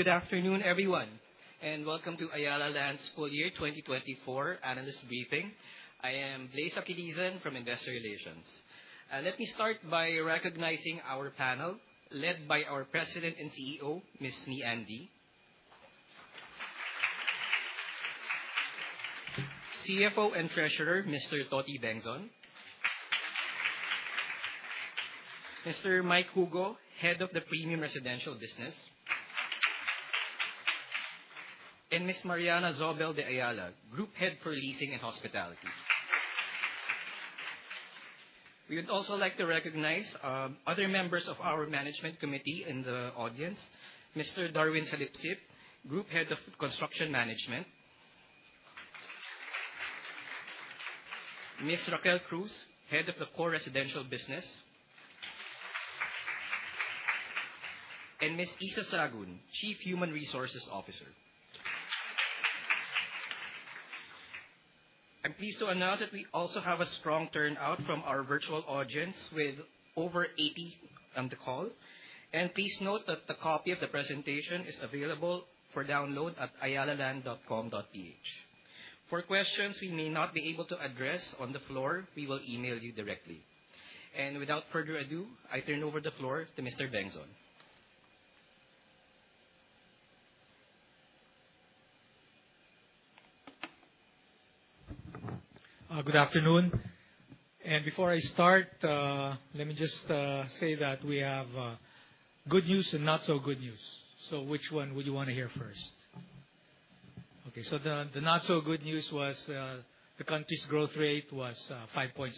Good afternoon, everyone, welcome to Ayala Land's Full Year 2024 Analyst Briefing. I am Blaise Aquilizan from Investor Relations. Let me start by recognizing our panel, led by our President and CEO, Ms. Menie A. Dy. CFO and Treasurer, Mr. Toti Bengzon. Mr. Mike Hugo, Head of the Premium Residential Business. Ms. Mariana Zobel de Ayala, Group Head for Leasing and Hospitality. We would also like to recognize other members of our Management Committee in the audience, Mr. Darwin Salipsip, Group Head of Construction Management. Ms. Raquel Cruz, Head of the Core Residential Business. Ms. Issa Sagun, Chief Human Resources Officer. I am pleased to announce that we also have a strong turnout from our virtual audience, with over 80 on the call. Please note that a copy of the presentation is available for download at ayalaland.com.ph. For questions we may not be able to address on the floor, we will email you directly. Without further ado, I turn over the floor to Mr. Bengzon. Good afternoon. Before I start, let me just say that we have good news and not-so-good news. Which one would you want to hear first? The not-so-good news was the country's growth rate was 5.6%,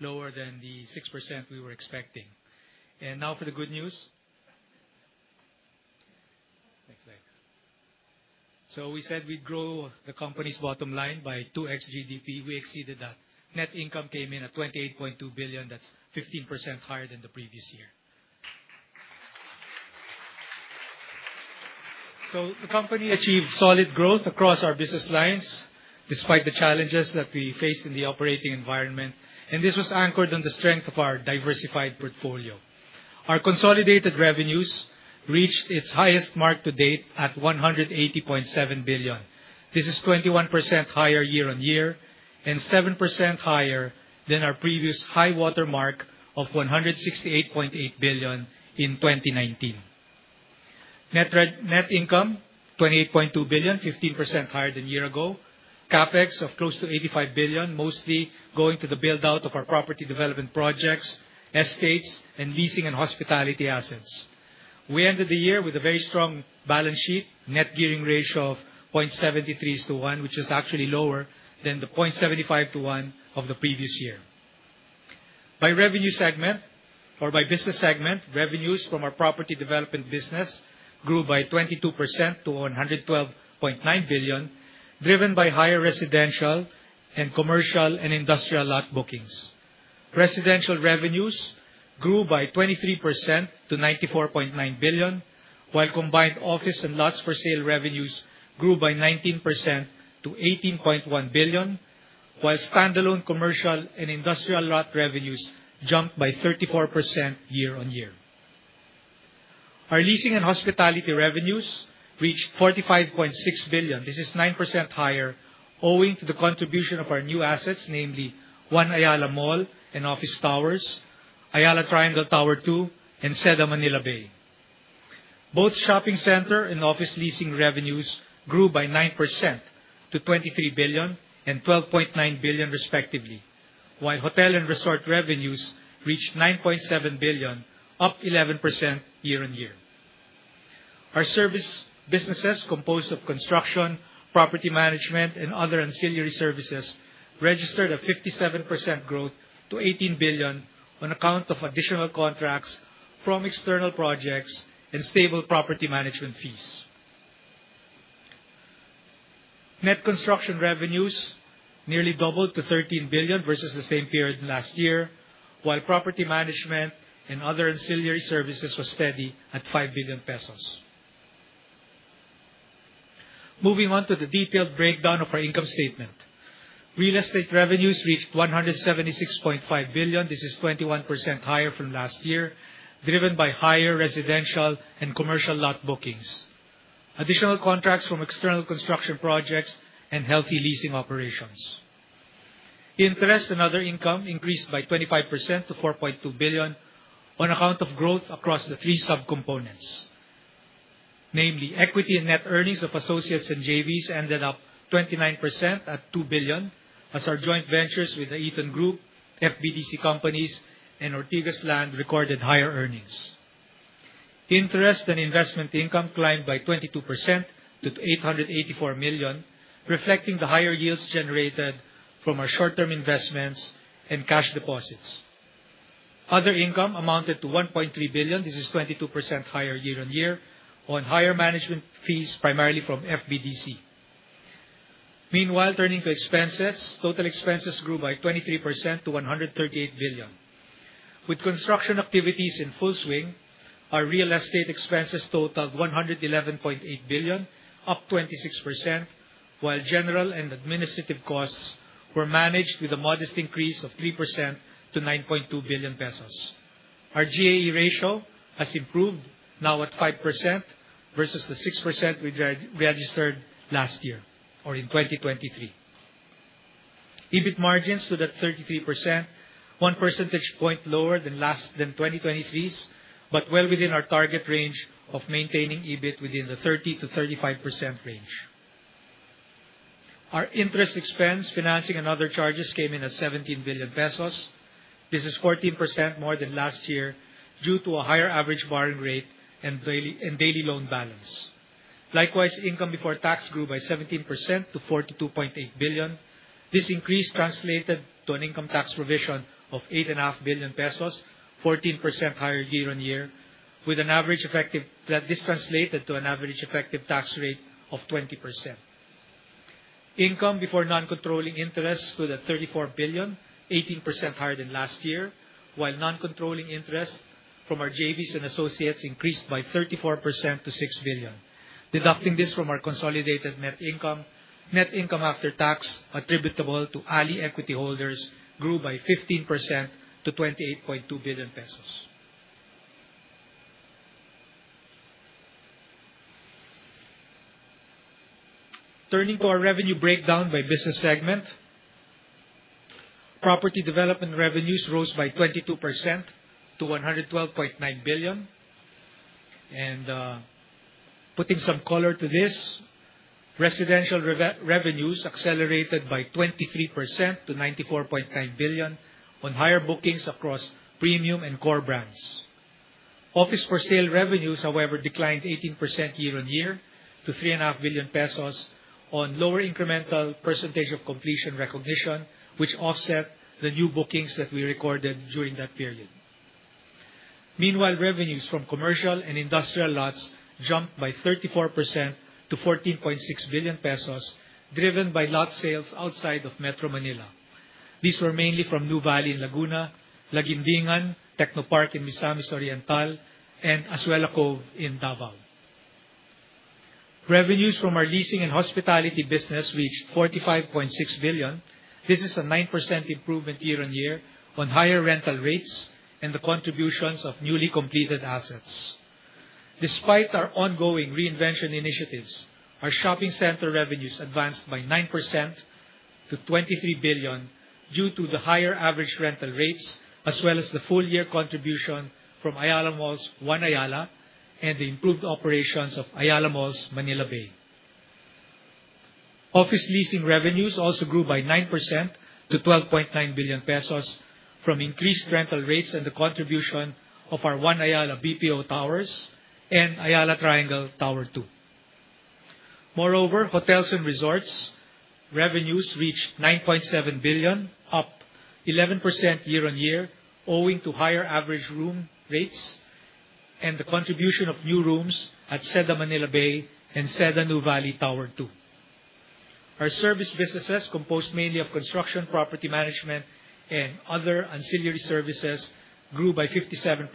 lower than the 6% we were expecting. Now for the good news. Next slide. We said we'd grow the company's bottom line by 2x GDP. We exceeded that. Net income came in at 28.2 billion. That's 15% higher than the previous year. The company achieved solid growth across our business lines despite the challenges that we faced in the operating environment. This was anchored on the strength of our diversified portfolio. Our consolidated revenues reached its highest mark to date at 180.7 billion. This is 21% higher year-on-year and 7% higher than our previous high water mark of 168.8 billion in 2019. Net income, 28.2 billion, 15% higher than a year ago. CapEx of close to 85 billion, mostly going to the build-out of our Property Development projects, estates, and Leasing and Hospitality assets. We ended the year with a very strong balance sheet. Net gearing ratio of 0.73:1, which is actually lower than the 0.75:1 of the previous year. By revenue segment or by business segment, revenues from our Property Development Business grew by 22% to 112.9 billion, driven by higher residential and commercial and industrial lot bookings. Residential revenues grew by 23% to 94.9 billion, while combined office and lots for sale revenues grew by 19% to 18.1 billion, while standalone commercial and industrial lot revenues jumped by 34% year-on-year. Our Leasing and Hospitality revenues reached 45.6 billion. This is 9% higher, owing to the contribution of our new assets, namely One Ayala Mall and Office Towers, Ayala Triangle Tower Two, and Seda Manila Bay. Both shopping center and office leasing revenues grew by 9% to 23 billion and 12.9 billion respectively, while hotel and resort revenues reached 9.7 billion, up 11% year-on-year. Our service businesses, composed of construction, property management, and other ancillary services, registered a 57% growth to 18 billion on account of additional contracts from external projects and stable property management fees. Net construction revenues nearly doubled to 13 billion versus the same period last year, while property management and other ancillary services were steady at 5 billion pesos. Moving on to the detailed breakdown of our income statement. Real estate revenues reached 176.5 billion. This is 21% higher from last year, driven by higher residential and commercial lot bookings, additional contracts from external construction projects, and healthy leasing operations. Interest and other income increased by 25% to 4.2 billion on account of growth across the three subcomponents. Namely, equity and net earnings of associates and JVs ended up 29% at 2 billion, as our joint ventures with the Eton Group, FBTC companies, and Ortigas Land recorded higher earnings. Interest and investment income climbed by 22% to 884 million, reflecting the higher yields generated from our short-term investments and cash deposits. Other income amounted to 1.3 billion. This is 22% higher year-on-year on higher management fees, primarily from FBTC. Meanwhile, turning to expenses, total expenses grew by 23% to 138 billion. With construction activities in full swing, our real estate expenses totaled 111.8 billion, up 26%. While general and administrative costs were managed with a modest increase of 3% to 9.2 billion pesos. Our GAE ratio has improved now at 5% versus the 6% we registered last year or in 2023. EBIT margins stood at 33%, one percentage point lower than 2023's, but well within our target range of maintaining EBIT within the 30%-35% range. Our interest expense, financing, and other charges came in at 17 billion pesos. This is 14% more than last year due to a higher average borrowing rate and daily loan balance. Likewise, income before tax grew by 17% to 42.8 billion. This increase translated to an income tax provision of 8.5 billion pesos, 14% higher year-on-year. This translated to an average effective tax rate of 20%. Income before non-controlling interests stood at 34 billion, 18% higher than last year, while non-controlling interests from our JVs and associates increased by 34% to 6 billion. Deducting this from our consolidated net income, net income after tax attributable to ALI equity holders grew by 15% to 28.2 billion pesos. Turning to our revenue breakdown by business segment. Property development revenues rose by 22% to 112.9 billion. Putting some color to this, residential revenues accelerated by 23% to 94.9 billion on higher bookings across premium and core brands. Office for sale revenues, however, declined 18% year-on-year to 3.5 billion pesos on lower incremental percentage of completion recognition, which offset the new bookings that we recorded during that period. Meanwhile, revenues from commercial and industrial lots jumped by 34% to 14.6 billion pesos, driven by lot sales outside of Metro Manila. These were mainly from Nuvali in Laguna, Laguindingan Technopark in Misamis Oriental, and Azuela Cove in Davao. Revenues from our leasing and hospitality business reached 45.6 billion. This is a 9% improvement year-on-year on higher rental rates and the contributions of newly completed assets. Despite our ongoing reinvention initiatives, our shopping center revenues advanced by 9% to PHP 23 billion due to the higher average rental rates as well as the full year contribution from Ayala Malls One Ayala and the improved operations of Ayala Malls Manila Bay. Office leasing revenues also grew by 9% to 12.9 billion pesos from increased rental rates and the contribution of our One Ayala BPO Towers and Ayala Triangle Tower Two. Hotels and resorts revenues reached 9.7 billion, up 11% year-on-year owing to higher average room rates and the contribution of new rooms at Seda Manila Bay and Seda Nuvali Tower Two. Our service businesses, composed mainly of construction, property management, and other ancillary services, grew by 57%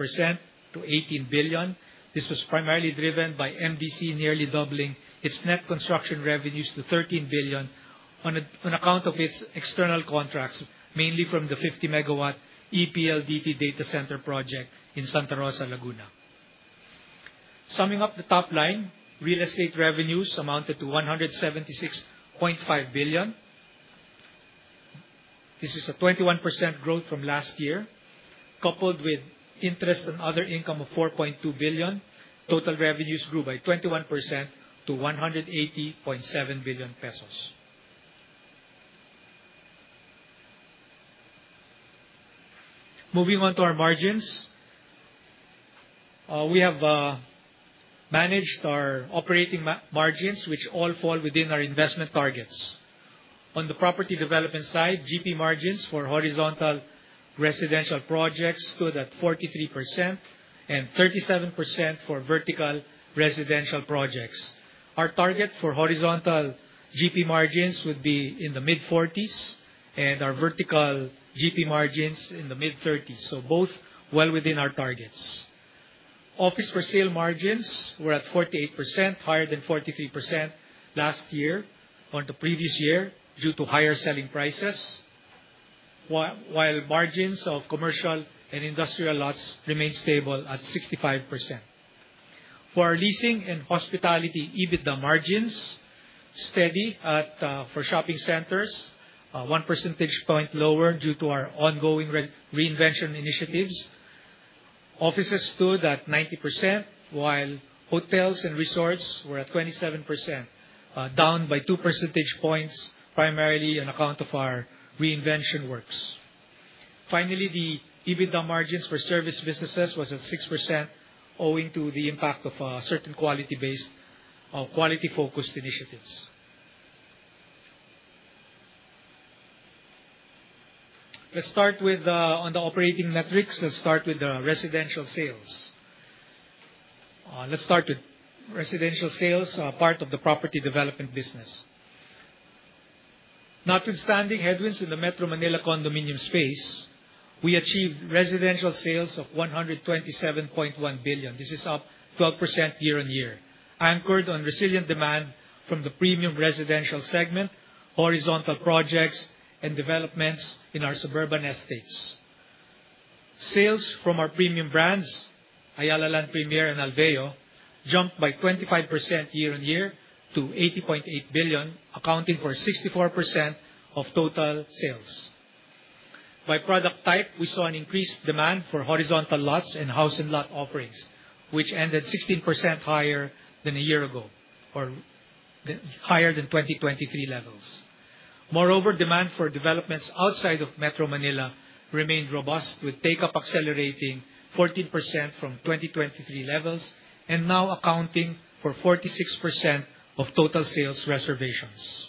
to PHP 18 billion. This was primarily driven by MDC nearly doubling its net construction revenues to PHP 13 billion on account of its external contracts, mainly from the 50 MW ePLDT Data Center project in Santa Rosa, Laguna. Summing up the top line, real estate revenues amounted to 176.5 billion. This is a 21% growth from last year, coupled with interest and other income of 4.2 billion. Total revenues grew by 21% to 180.7 billion pesos. Moving on to our margins. We have managed our operating margins, which all fall within our investment targets. On the property development side, GP margins for horizontal residential projects stood at 43% and 37% for vertical residential projects. Our target for horizontal GP margins would be in the mid-40s and our vertical GP margins in the mid-30s. Both well within our targets. Office for sale margins were at 48%, higher than 43% last year or the previous year due to higher selling prices, while margins of commercial and industrial lots remain stable at 65%. For our leasing and hospitality, EBITDA margins steady for shopping centers, one percentage point lower due to our ongoing reinvention initiatives. Offices stood at 90%, while hotels and resorts were at 27%, down by two percentage points, primarily on account of our reinvention works. Finally, the EBITDA margins for service businesses was at 6% owing to the impact of certain quality-focused initiatives. Let's start with the operating metrics. Let's start with the residential sales. Let's start with residential sales, part of the property development business. Notwithstanding headwinds in the Metro Manila condominium space, we achieved residential sales of 127.1 billion. This is up 12% year-on-year, anchored on resilient demand from the premium residential segment, horizontal projects, and developments in our suburban estates. Sales from our premium brands, Ayala Land Premier and Alveo, jumped by 25% year-on-year to 80.8 billion, accounting for 64% of total sales. By product type, we saw an increased demand for horizontal lots and house and lot offerings, which ended 16% higher than a year ago, or higher than 2023 levels. Demand for developments outside of Metro Manila remained robust with take-up accelerating 14% from 2023 levels and now accounting for 46% of total sales reservations.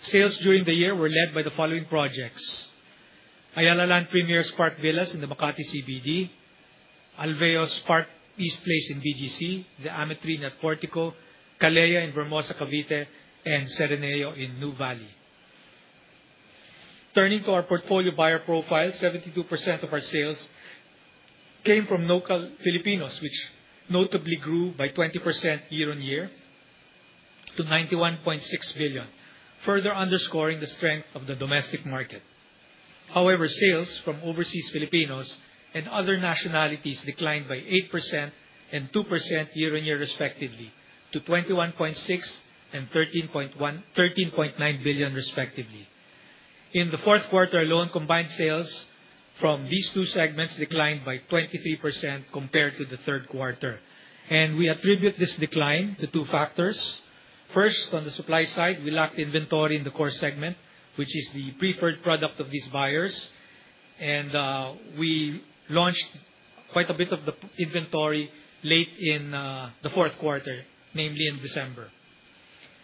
Sales during the year were led by the following projects: Ayala Land Premier Park Villas in the Makati CBD, Alveo Park East Place in BGC, The Ametrine at Portico, Caleia in Hermosa, Cavite, and Sereneo in Nuvali. Turning to our portfolio buyer profile, 72% of our sales came from local Filipinos, which notably grew by 20% year-on-year to 91.6 billion, further underscoring the strength of the domestic market. However, sales from overseas Filipinos and other nationalities declined by 8% and 2% year-on-year respectively, to 21.6 billion and 13.9 billion respectively. In the fourth quarter alone, combined sales from these two segments declined by 23% compared to the third quarter. We attribute this decline to two factors. First, on the supply side, we lacked inventory in the core segment, which is the preferred product of these buyers. We launched quite a bit of the inventory late in the fourth quarter, namely in December.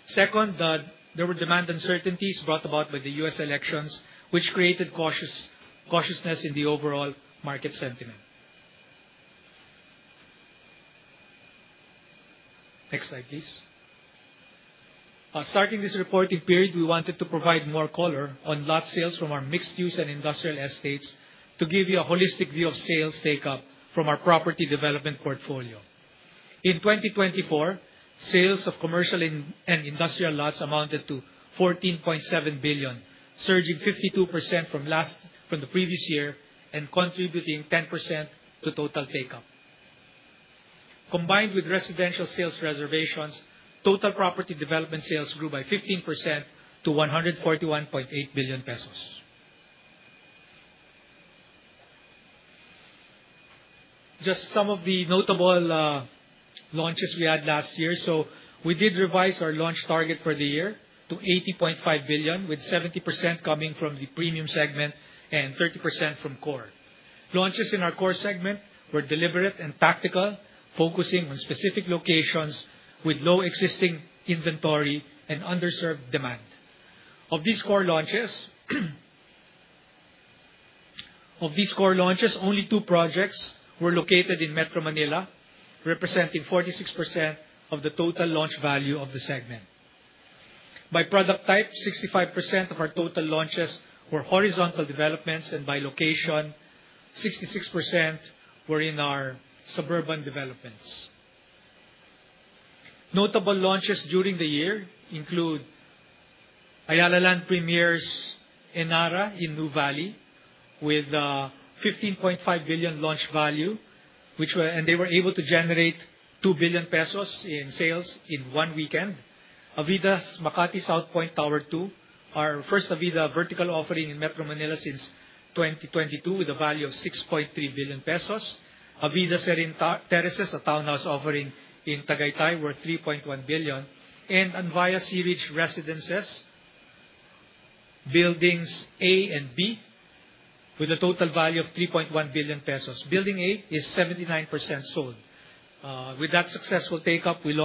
Second, there were demand uncertainties brought about by the U.S. elections, which created cautiousness in the overall market sentiment. Next slide, please. Starting this reporting period, we wanted to provide more color on lot sales from our mixed-use and industrial estates to give you a holistic view of sales take-up from our property development portfolio. In 2024, sales of commercial and industrial lots amounted to 14.7 billion, surging 52% from the previous year and contributing 10% to total take-up. Combined with residential sales reservations, total property development sales grew by 15% to 141.8 billion pesos. Just some of the notable launches we had last year. We did revise our launch target for the year to 80.5 billion, with 70% coming from the premium segment and 30% from core. Launches in our core segment were deliberate and tactical, focusing on specific locations with low existing inventory and underserved demand. Of these core launches, only two projects were located in Metro Manila, representing 46% of the total launch value of the segment. By product type, 65% of our total launches were horizontal developments, by location, 66% were in our suburban developments. Notable launches during the year include Ayala Land Premier's Enara in Nuvali with a 15.5 billion launch value. They were able to generate 2 billion pesos in sales in one weekend. Avida's Makati Southpoint Tower 2, our first Avida vertical offering in Metro Manila since 2022 with a value of 6.3 billion pesos. Avida Serin Terraces, a townhouse offering in Tagaytay, worth 3.1 billion. Anvaya Searidge Residences Buildings A and B with a total value of 3.1 billion pesos. Building A is 79% sold. With that successful take-up, we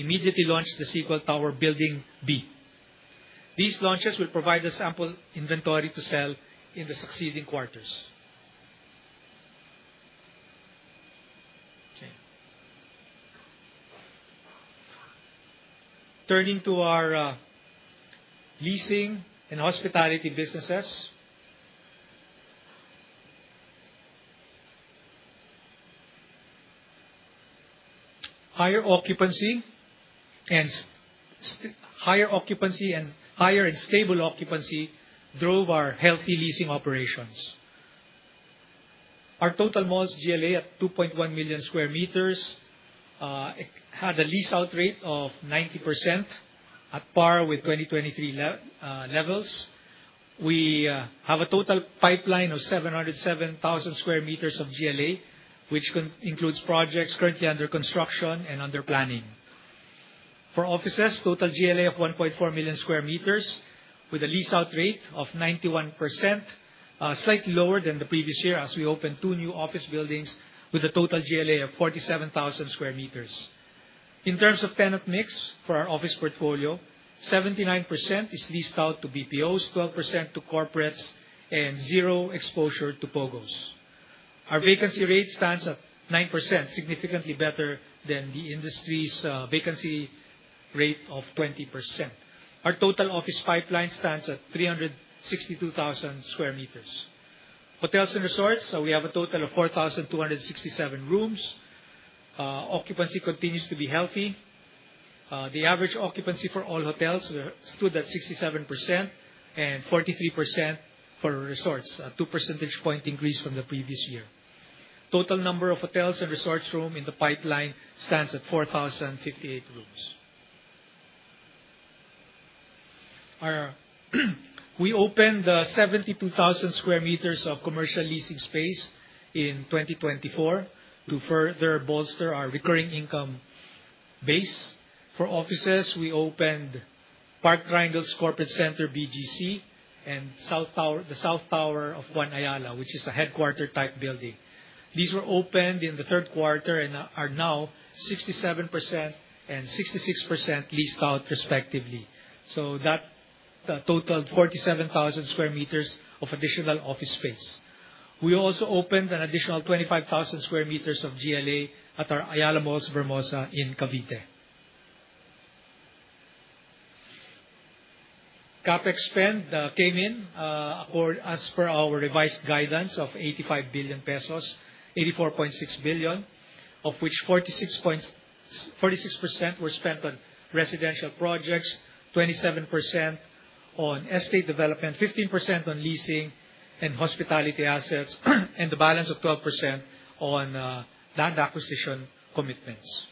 immediately launched the sequel tower, Building B. These launches will provide the sample inventory to sell in the succeeding quarters. Okay. Turning to our leasing and hospitality businesses. Higher and stable occupancy drove our healthy leasing operations. Our total malls GLA at 2.1 million sq m had a lease-out rate of 90%, at par with 2023 levels. We have a total pipeline of 707,000 sq m of GLA, which includes projects currently under construction and under planning. For offices, total GLA of 1.4 million square meters with a lease-out rate of 91%, slightly lower than the previous year as we opened two new office buildings with a total GLA of 47,000 square meters. In terms of tenant mix for our office portfolio, 79% is leased out to BPOs, 12% to corporates, and zero exposure to POGOs. Our vacancy rate stands at 9%, significantly better than the industry's vacancy rate of 20%. Our total office pipeline stands at 362,000 square meters. Hotels and resorts, we have a total of 4,267 rooms. Occupancy continues to be healthy. The average occupancy for all hotels stood at 67% and 43% for resorts, a two percentage point increase from the previous year. Total number of hotels and resorts room in the pipeline stands at 4,058 rooms. We opened 72,000 square meters of commercial leasing space in 2024 to further bolster our recurring income base. For offices, we opened Park Triangle Corporate Center BGC and the South Tower of One Ayala, which is a headquarter type building. These were opened in the third quarter and are now 67% and 66% leased out respectively. That totaled 47,000 square meters of additional office space. We also opened an additional 25,000 square meters of GLA at our Ayala Malls Vermosa in Cavite. CapEx spend came in as per our revised guidance of 85 billion pesos, 84.6 billion, of which 46% were spent on residential projects, 27% on estate development, 15% on leasing and hospitality assets, and the balance of 12% on land acquisition commitments.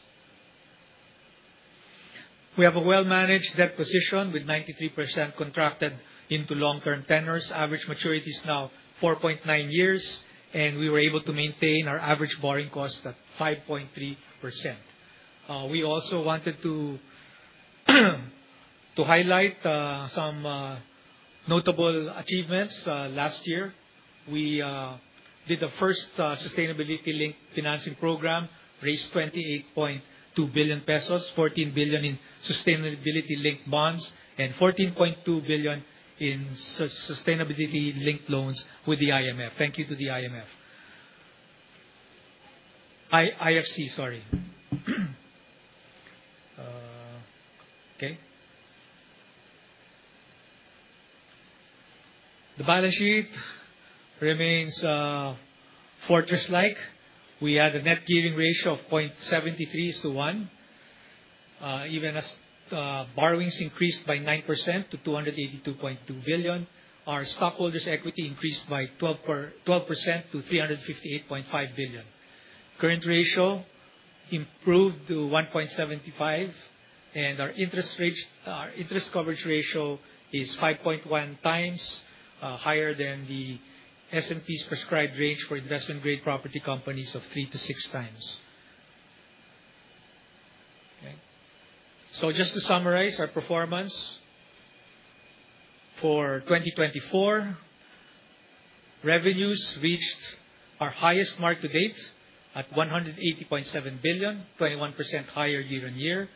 We have a well-managed debt position with 93% contracted into long-term tenors. Average maturity is now 4.9 years, we were able to maintain our average borrowing cost at 5.3%. We also wanted to highlight some notable achievements last year. We did the first sustainability-linked financing program, raised 28.2 billion pesos, 14 billion in sustainability-linked bonds, and 14.2 billion in sustainability-linked loans with the IFC. IFC, sorry. The balance sheet remains fortress-like. We had a net gearing ratio of 0.73 is to 1. Even as borrowings increased by 9% to 282.2 billion, our stockholders' equity increased by 12% to 358.5 billion. Current ratio improved to 1.75, and our interest coverage ratio is 5.1 times higher than the S&P's prescribed range for investment-grade property companies of three to six times. Just to summarize our performance for 2024, revenues reached our highest mark to date at 180.7 billion, 21% higher year-on-year.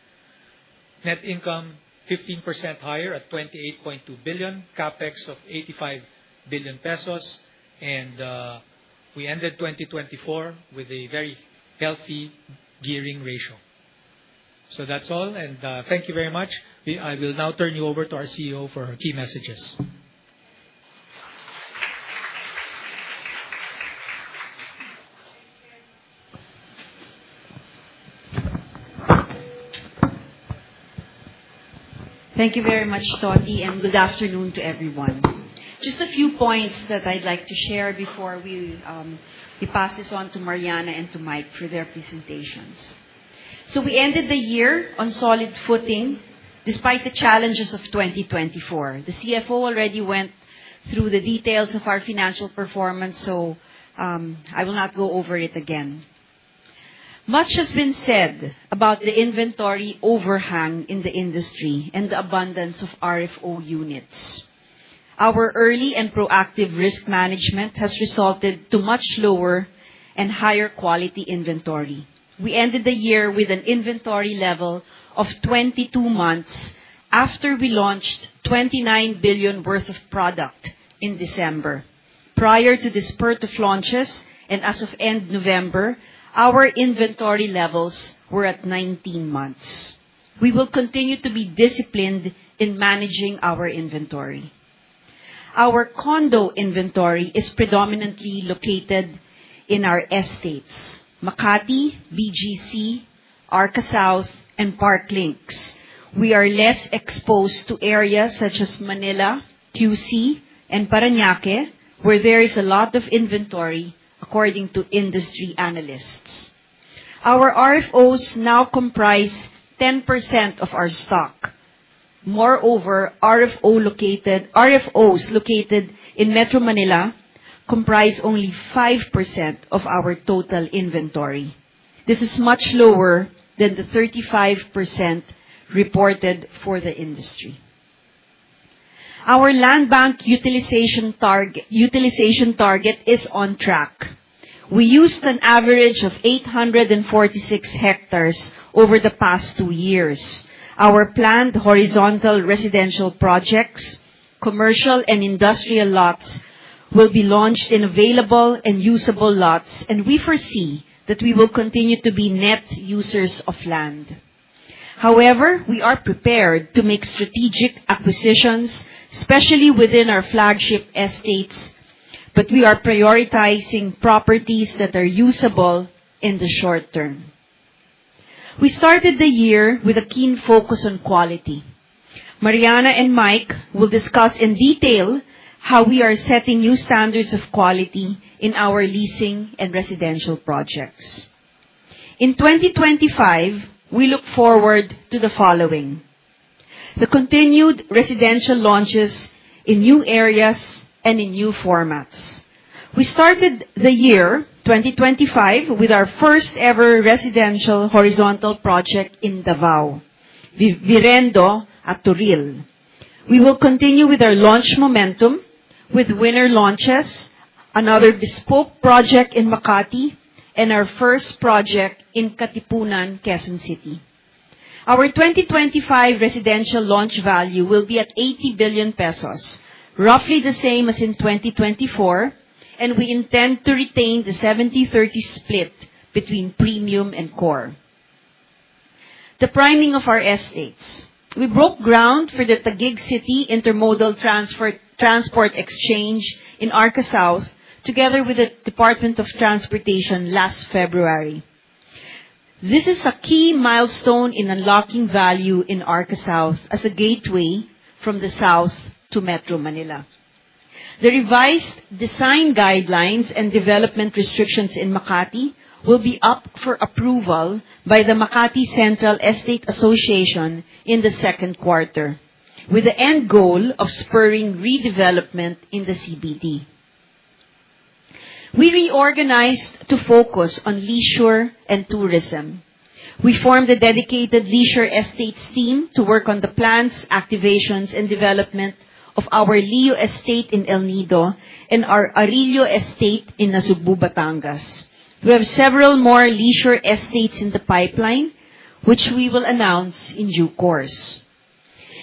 Net income 15% higher at 28.2 billion, CapEx of 85 billion pesos, we ended 2024 with a very healthy gearing ratio. That's all, thank you very much. I will now turn you over to our CEO for her key messages. Thank you very much, Totie, and good afternoon to everyone. Just a few points that I'd like to share before we pass this on to Mariana and to Mike for their presentations. We ended the year on solid footing despite the challenges of 2024. The CFO already went through the details of our financial performance, so I will not go over it again. Much has been said about the inventory overhang in the industry and the abundance of RFO units. Our early and proactive risk management has resulted to much lower and higher quality inventory. We ended the year with an inventory level of 22 months after we launched 29 billion worth of product in December. Prior to the spurt of launches and as of end November, our inventory levels were at 19 months. We will continue to be disciplined in managing our inventory. Our condo inventory is predominantly located in our estates, Makati, BGC, Arca South, and Parklinks. We are less exposed to areas such as Manila, Q.C., and Parañaque, where there is a lot of inventory according to industry analysts. Our RFOs now comprise 10% of our stock. Moreover, RFOs located in Metro Manila comprise only 5% of our total inventory. This is much lower than the 35% reported for the industry. Our land bank utilization target is on track. We used an average of 846 hectares over the past two years. Our planned horizontal residential projects Commercial and industrial lots will be launched in available and usable lots, and we foresee that we will continue to be net users of land. We are prepared to make strategic acquisitions, especially within our flagship estates, but we are prioritizing properties that are usable in the short term. We started the year with a keen focus on quality. Mariana and Mike will discuss in detail how we are setting new standards of quality in our leasing and residential projects. In 2025, we look forward to the following: The continued residential launches in new areas and in new formats. We started the year 2025 with our first-ever residential horizontal project in Davao, Virendo at Toril. We will continue with our launch momentum with winner launches, another bespoke project in Makati, and our first project in Katipunan, Quezon City. Our 2025 residential launch value will be at 80 billion pesos, roughly the same as in 2024, and we intend to retain the 70/30 split between premium and core. The priming of our estates. We broke ground for the Taguig City Integrated Terminal Exchange in Arca South together with the Department of Transportation last February. This is a key milestone in unlocking value in Arca South as a gateway from the South to Metro Manila. The revised design guidelines and development restrictions in Makati will be up for approval by the Makati Central Estate Association in the second quarter, with the end goal of spurring redevelopment in the CBD. We reorganized to focus on leisure and tourism. We formed a dedicated leisure estates team to work on the plans, activations, and development of our Lio Estate in El Nido and our Arillo Estate in Nasugbu, Batangas. We have several more leisure estates in the pipeline, which we will announce in due course.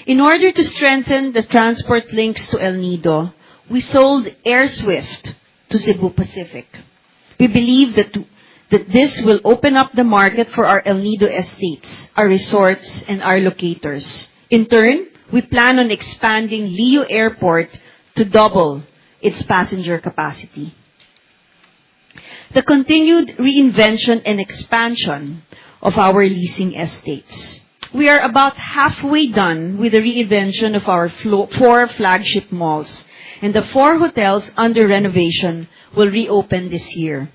In order to strengthen the transport links to El Nido, we sold AirSWIFT to Cebu Pacific. We believe that this will open up the market for our El Nido estates, our resorts, and our locators. In turn, we plan on expanding Lio Airport to double its passenger capacity. The continued reinvention and expansion of our leasing estates. We are about halfway done with the reinvention of our four flagship malls, and the four hotels under renovation will reopen this year.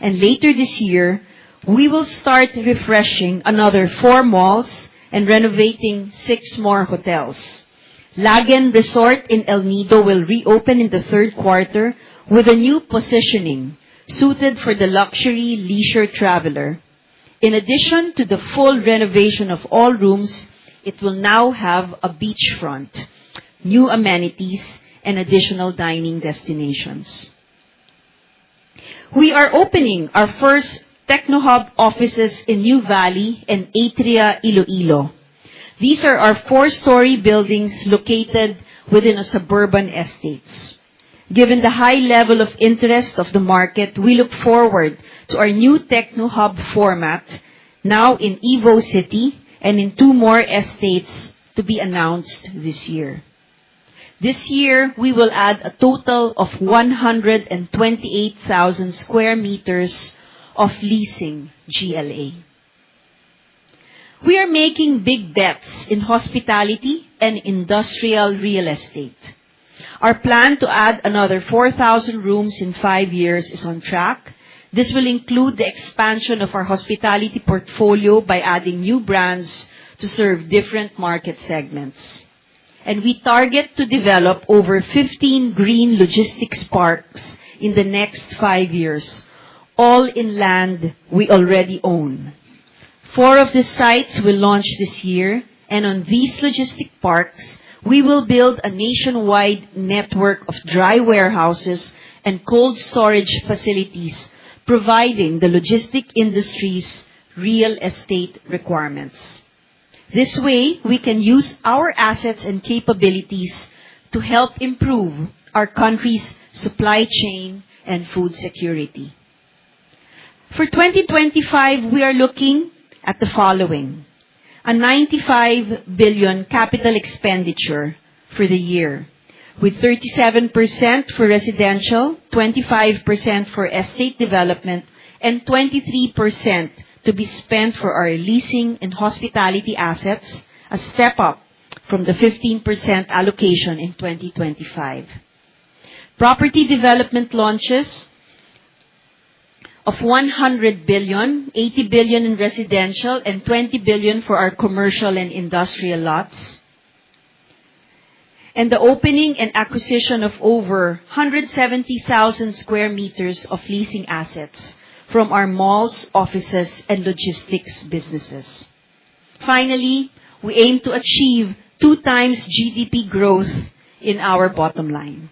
Later this year, we will start refreshing another four malls and renovating six more hotels. Lagen Resort in El Nido will reopen in the third quarter with a new positioning suited for the luxury leisure traveler. In addition to the full renovation of all rooms, it will now have a beachfront, new amenities, and additional dining destinations. We are opening our first TechnoHub offices in Nuvali and Atria Iloilo. These are our four-story buildings located within a suburban estates. Given the high level of interest of the market, we look forward to our new TechnoHub format now in Evo City and in two more estates to be announced this year. This year, we will add a total of 128,000 sq m of leasing GLA. We are making big bets in hospitality and industrial real estate. Our plan to add another 4,000 rooms in five years is on track. This will include the expansion of our hospitality portfolio by adding new brands to serve different market segments. We target to develop over 15 green logistics parks in the next five years, all in land we already own. Four of the sites will launch this year. On these logistic parks, we will build a nationwide network of dry warehouses and cold storage facilities providing the logistic industry's real estate requirements. This way, we can use our assets and capabilities to help improve our country's supply chain and food security. For 2025, we are looking at the following: A 95 billion CapEx for the year, with 37% for residential, 25% for estate development, and 23% to be spent for our leasing and hospitality assets, a step up from the 15% allocation in 2025. Property development launches of 100 billion, 80 billion in residential and 20 billion for our commercial and industrial lots. The opening and acquisition of over 170,000 sq m of leasing assets from our malls, offices, and logistics businesses. Finally, we aim to achieve two times GDP growth in our bottom line.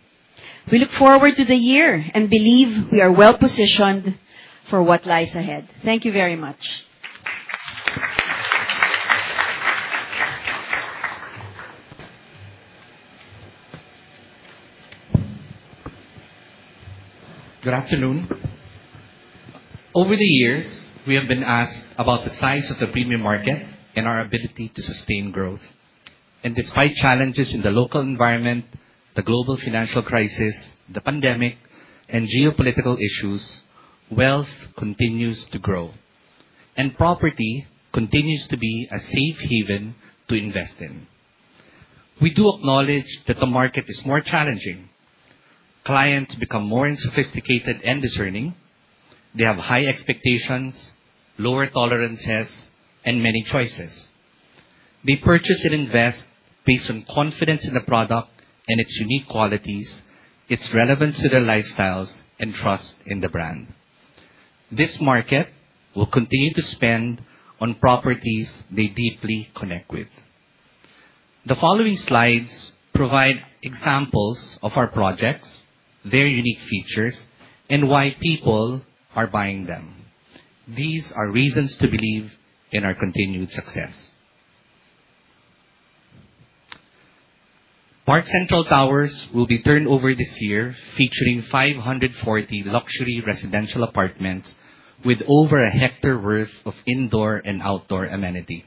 We look forward to the year and believe we are well-positioned for what lies ahead. Thank you very much Good afternoon. Over the years, we have been asked about the size of the premium market and our ability to sustain growth. Despite challenges in the local environment, the global financial crisis, the pandemic, and geopolitical issues, wealth continues to grow, and property continues to be a safe haven to invest in. We do acknowledge that the market is more challenging. Clients become more sophisticated and discerning. They have high expectations, lower tolerances, and many choices. They purchase and invest based on confidence in the product and its unique qualities, its relevance to their lifestyles, and trust in the brand. This market will continue to spend on properties they deeply connect with. The following slides provide examples of our projects, their unique features, and why people are buying them. These are reasons to believe in our continued success. Park Central Towers will be turned over this year, featuring 540 luxury residential apartments with over a hectare worth of indoor and outdoor amenity.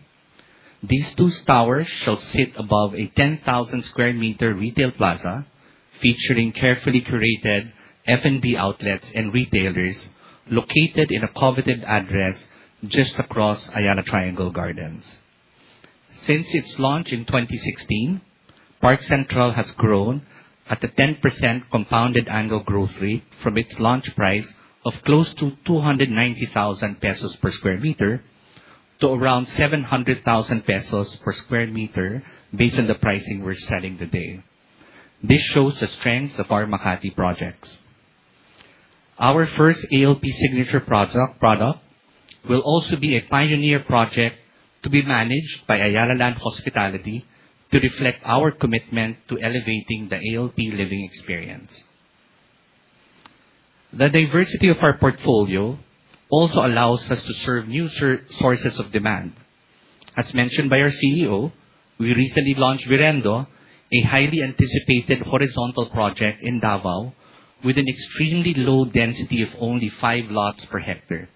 These two towers shall sit above a 10,000 sq m retail plaza, featuring carefully curated F&B outlets and retailers located in a coveted address just across Ayala Triangle Gardens. Since its launch in 2016, Park Central has grown at a 10% compounded annual growth rate from its launch price of close to 290,000 pesos per sq m to around 700,000 pesos per sq m based on the pricing we are selling today. This shows the strength of our Makati projects. Our first ALP signature product will also be a pioneer project to be managed by Ayala Land Hospitality to reflect our commitment to elevating the ALP living experience. The diversity of our portfolio also allows us to serve new sources of demand. As mentioned by our CEO, we recently launched Virendo, a highly anticipated horizontal project in Davao, with an extremely low density of only five lots per hectare.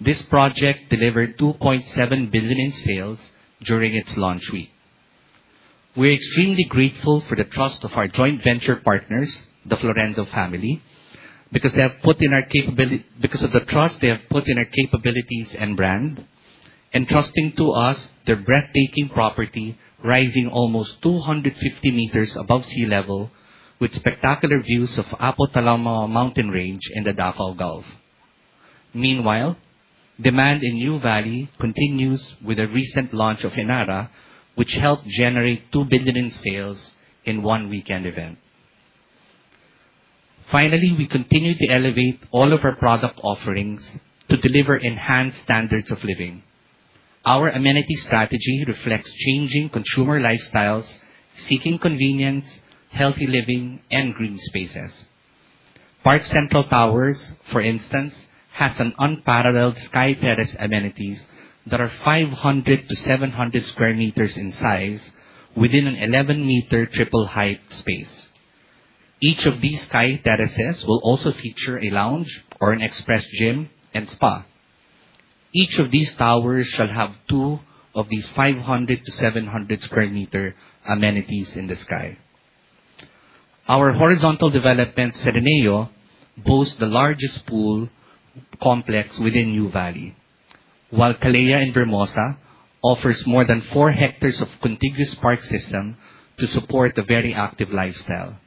This project delivered 2.7 billion in sales during its launch week. We're extremely grateful for the trust of our joint venture partners, the Florendo family, because of the trust they have put in our capabilities and brand, entrusting to us their breathtaking property, rising almost 250 meters above sea level with spectacular views of Apo–Talomo Mountain range and the Davao Gulf. Meanwhile, demand in Nuvali continues with the recent launch of Enara, which helped generate 2 billion in sales in one weekend event. Finally, we continue to elevate all of our product offerings to deliver enhanced standards of living. Our amenity strategy reflects changing consumer lifestyles, seeking convenience, healthy living, and green spaces. Park Central Towers, for instance, has an unparalleled sky terrace amenities that are 500-700 sq m in size within an 11-meter triple-height space. Each of these sky terraces will also feature a lounge or an express gym and spa. Each of these towers shall have two of these 500-700 sq m amenities in the sky. Our horizontal development, Sereneo, boasts the largest pool complex within Nuvali, while Caleia in Vermosa offers more than four hectares of contiguous park system to support a very active lifestyle.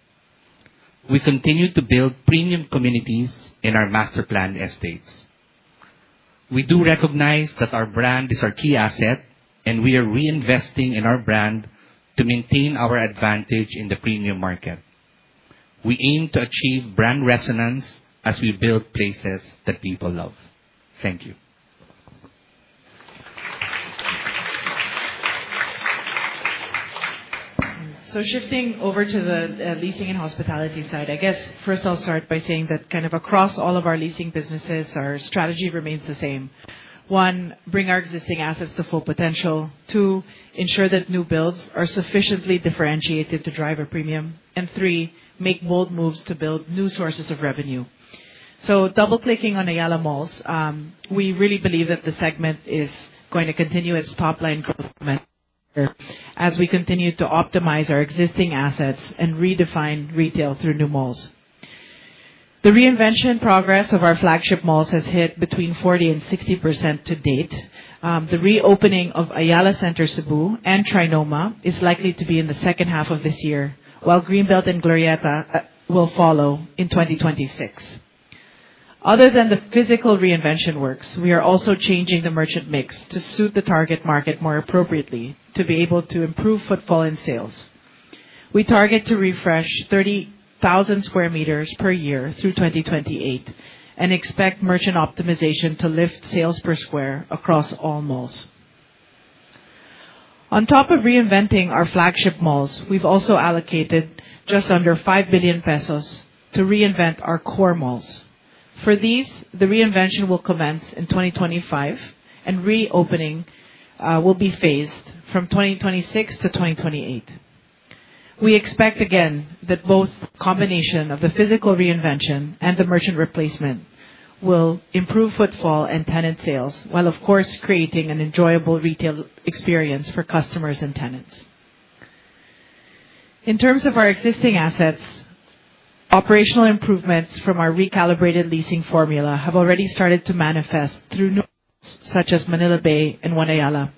We continue to build premium communities in our master-planned estates. We do recognize that our brand is our key asset, and we are reinvesting in our brand to maintain our advantage in the premium market. We aim to achieve brand resonance as we build places that people love. Thank you. Shifting over to the leasing and hospitality side, I guess first I'll start by saying that kind of across all of our leasing businesses, our strategy remains the same. One, bring our existing assets to full potential. Two, ensure that new builds are sufficiently differentiated to drive a premium. Three, make bold moves to build new sources of revenue. Double-clicking on Ayala Malls, we really believe that the segment is going to continue its top-line growth as we continue to optimize our existing assets and redefine retail through new malls. The reinvention progress of our flagship malls has hit between 40%-60% to date. The reopening of Ayala Center Cebu and Trinoma is likely to be in the second half of this year, while Greenbelt and Glorietta will follow in 2026. Other than the physical reinvention works, we are also changing the merchant mix to suit the target market more appropriately to be able to improve footfall and sales. We target to refresh 30,000 sq m per year through 2028 and expect merchant optimization to lift sales per square across all malls. On top of reinventing our flagship malls, we've also allocated just under 5 billion pesos to reinvent our core malls. For these, the reinvention will commence in 2025 and reopening will be phased from 2026 to 2028. We expect, again, that both combination of the physical reinvention and the merchant replacement will improve footfall and tenant sales while of course, creating an enjoyable retail experience for customers and tenants. In terms of our existing assets, operational improvements from our recalibrated leasing formula have already started to manifest through such as Manila Bay and One Ayala.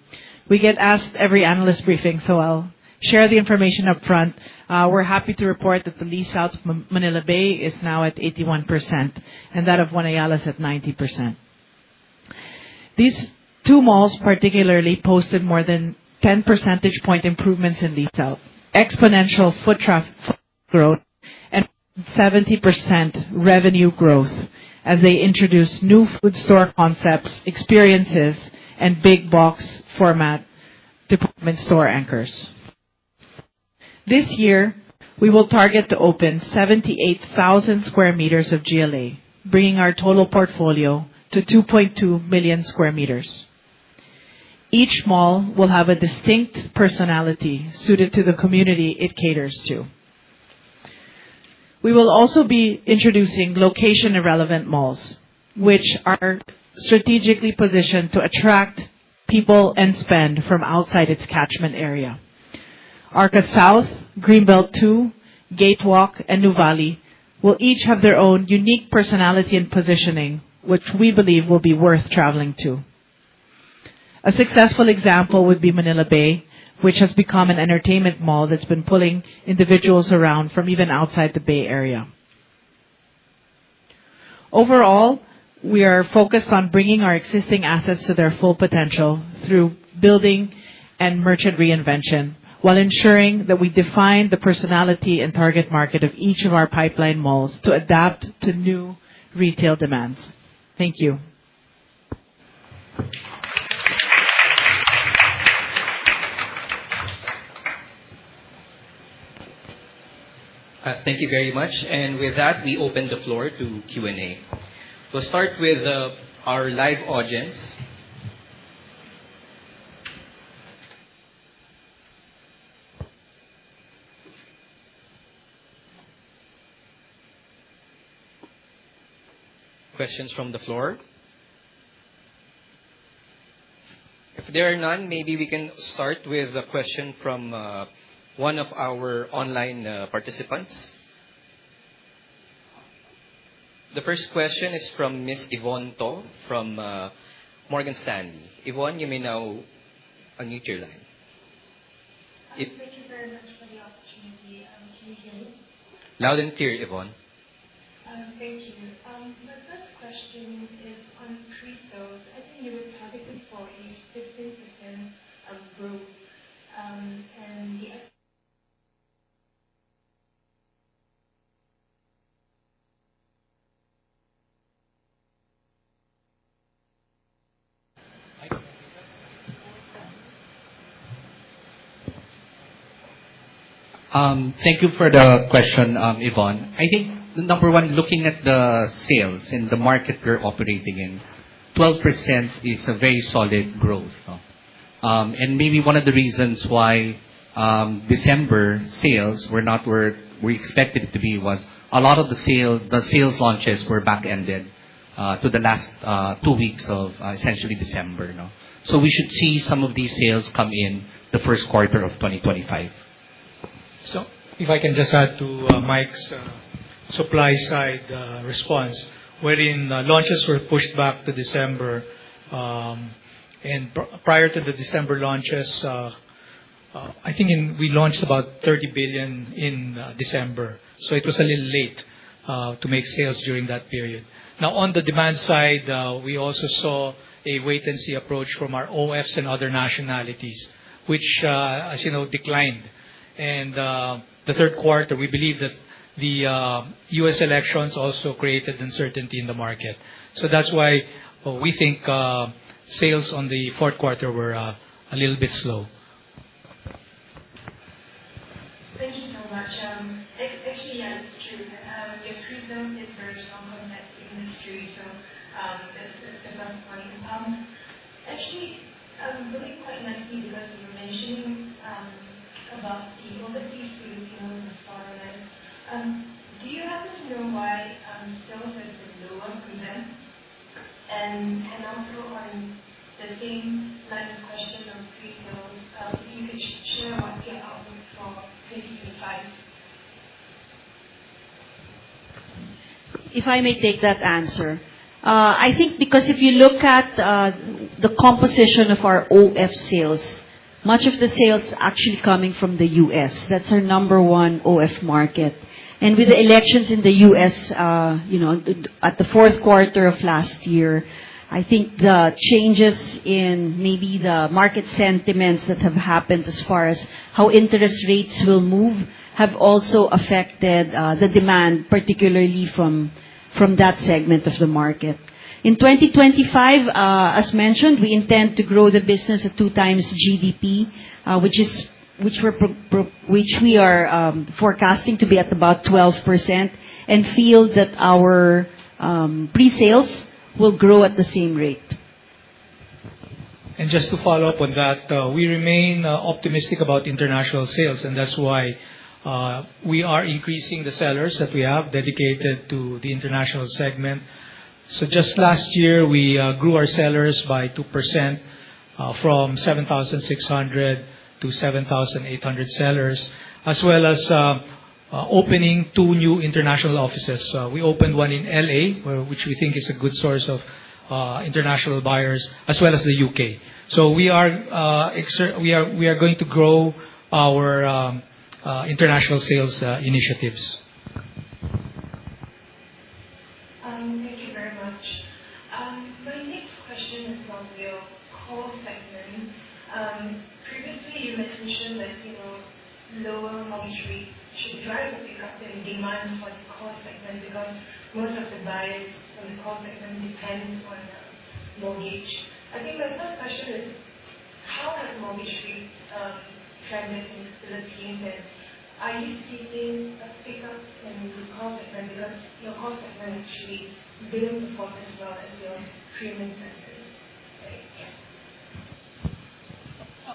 We get asked every analyst briefing. I'll share the information upfront. We're happy to report that the lease outs of Manila Bay is now at 81%, and that of One Ayala is at 90%. These two malls particularly posted more than 10 percentage point improvements in lease out, exponential foot traffic growth and 70% revenue growth as they introduce new food store concepts, experiences, and big box format department store anchors. This year we will target to open 78,000 sq m of GLA, bringing our total portfolio to 2.2 million sq m. Each mall will have a distinct personality suited to the community it caters to. We will also be introducing location-irrelevant malls, which are strategically positioned to attract people and spend from outside its catchment area. Arca South, Greenbelt 2, Gatewalk, and Nuvali will each have their own unique personality and positioning, which we believe will be worth traveling to. A successful example would be Manila Bay, which has become an entertainment mall that's been pulling individuals around from even outside the Bay Area. Overall, we are focused on bringing our existing assets to their full potential through building and merchant reinvention while ensuring that we define the personality and target market of each of our pipeline malls to adapt to new retail demands. Thank you. Thank you very much. With that, we open the floor to Q&A. We'll start with our live audience. Questions from the floor? If there are none, maybe we can start with a question from one of our online participants. The first question is from Miss Yvonne To from Morgan Stanley. Yvonne, you may now unmute your line. Thank you very much for the opportunity. Can you hear me? Loud and clear, Yvonne. Thank you. My first question is on pre-sales. I think you were targeting 40%-50% of growth. Mike, can you take that? Thank you for the question, Yvonne. I think number one, looking at the sales in the market we're operating in, 12% is a very solid growth. Maybe one of the reasons why December sales were not where we expected it to be was a lot of the sales launches were backended to the last two weeks of essentially December. We should see some of these sales come in the first quarter of 2025. If I can just add to Mike's supply side response, wherein launches were pushed back to December. Prior to the December launches, I think I launched about 30 billion in December, so it was a little late to make sales during that period. On the demand side, we also saw a wait and see approach from our OFs and other nationalities, which, as you know, declined. The third quarter, we believe that the U.S. elections also created uncertainty in the market. That's why we think sales on the fourth quarter were a little bit slow. Thank you so much. Actually, yeah, it's true. The pre-sell is very strong from that industry. That's one component. Actually, I'm really quite lucky because you were mentioning about the Overseas Filipinos or OFs. Do you happen to know why sales have been lower from them? Also on the same line of question on pre-sell if you could share what's your outlook for 2025? If I may take that answer. I think because if you look at the composition of our OF sales, much of the sales actually coming from the U.S., that's our number 1 OF market. With the elections in the U.S. at the fourth quarter of last year, I think the changes in maybe the market sentiments that have happened as far as how interest rates will move have also affected the demand, particularly from From that segment of the market. In 2025, as mentioned, we intend to grow the business at two times GDP, which we are forecasting to be at about 12%, and feel that our pre-sales will grow at the same rate. Just to follow up on that, we remain optimistic about international sales, and that's why we are increasing the sellers that we have dedicated to the international segment. Just last year, we grew our sellers by 2%, from 7,600 to 7,800 sellers, as well as opening two new international offices. We opened one in L.A., which we think is a good source of international buyers, as well as the U.K. We are going to grow our international sales initiatives. Thank you very much. My next question is on your core segment. Previously, you mentioned that lower mortgage rates should drive a pickup in demand for the core segment because most of the buyers on the core segment depends on mortgage. I think my first question is: How have mortgage rates trended in the Philippines, and are you seeing a pickup in the core segment? Because your core segment actually didn't perform as well as your premium segment.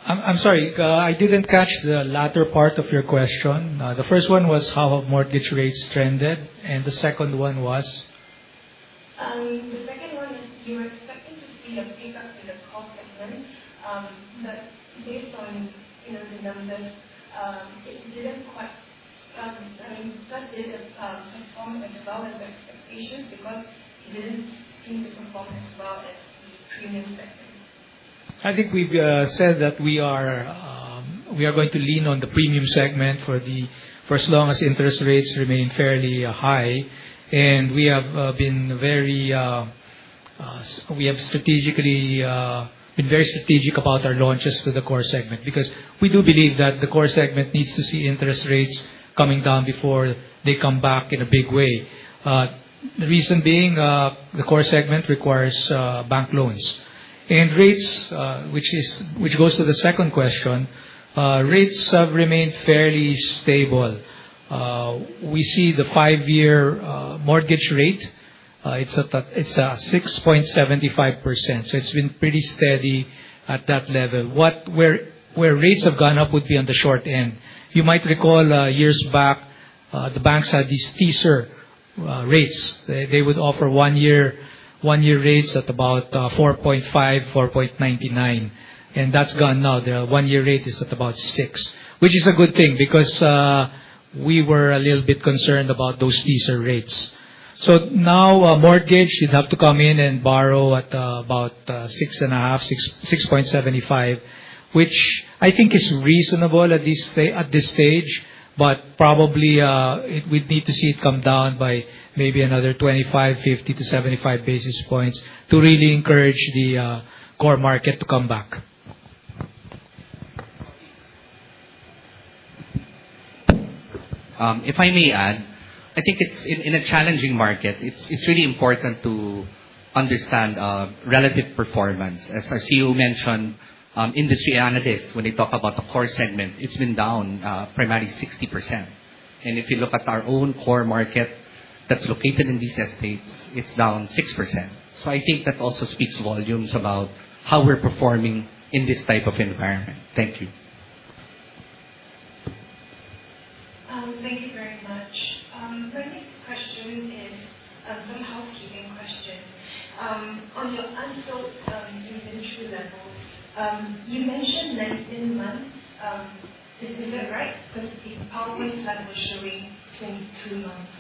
Right. Yeah. I'm sorry. I didn't catch the latter part of your question. The first one was how have mortgage rates trended, and the second one was? The second one is, you were expecting to see a pickup in the core segment, based on the numbers, it didn't perform as well as expectations because it didn't seem to perform as well as the premium segment. I think we've said that we are going to lean on the premium segment for as long as interest rates remain fairly high. We have been very strategic about our launches to the core segment, because we do believe that the core segment needs to see interest rates coming down before they come back in a big way. The reason being, the core segment requires bank loans. Rates which goes to the second question, rates have remained fairly stable. We see the five-year mortgage rate. It's at 6.75%, so it's been pretty steady at that level. Where rates have gone up would be on the short end. You might recall, years back, the banks had these teaser rates. They would offer one-year rates at about 4.5%, 4.99%, and that's gone now. Their one-year rate is at about 6%, which is a good thing because we were a little bit concerned about those teaser rates. Now, a mortgage should have to come in and borrow at about 6.5%, 6.75%, which I think is reasonable at this stage. Probably, we'd need to see it come down by maybe another 25, 50 to 75 basis points to really encourage the core market to come back. If I may add, I think in a challenging market, it's really important to understand relative performance. As our CEO mentioned, industry analysts, when they talk about the core segment, it's been down primarily 60%. If you look at our own core market that's located in these estates, it's down 6%. I think that also speaks volumes about how we're performing in this type of environment. Thank you. Thank you very much. My next question is a little housekeeping question. On your unsold inventory levels, you mentioned 19 months. Is that right? Because the PowerPoint slide was showing 22 months.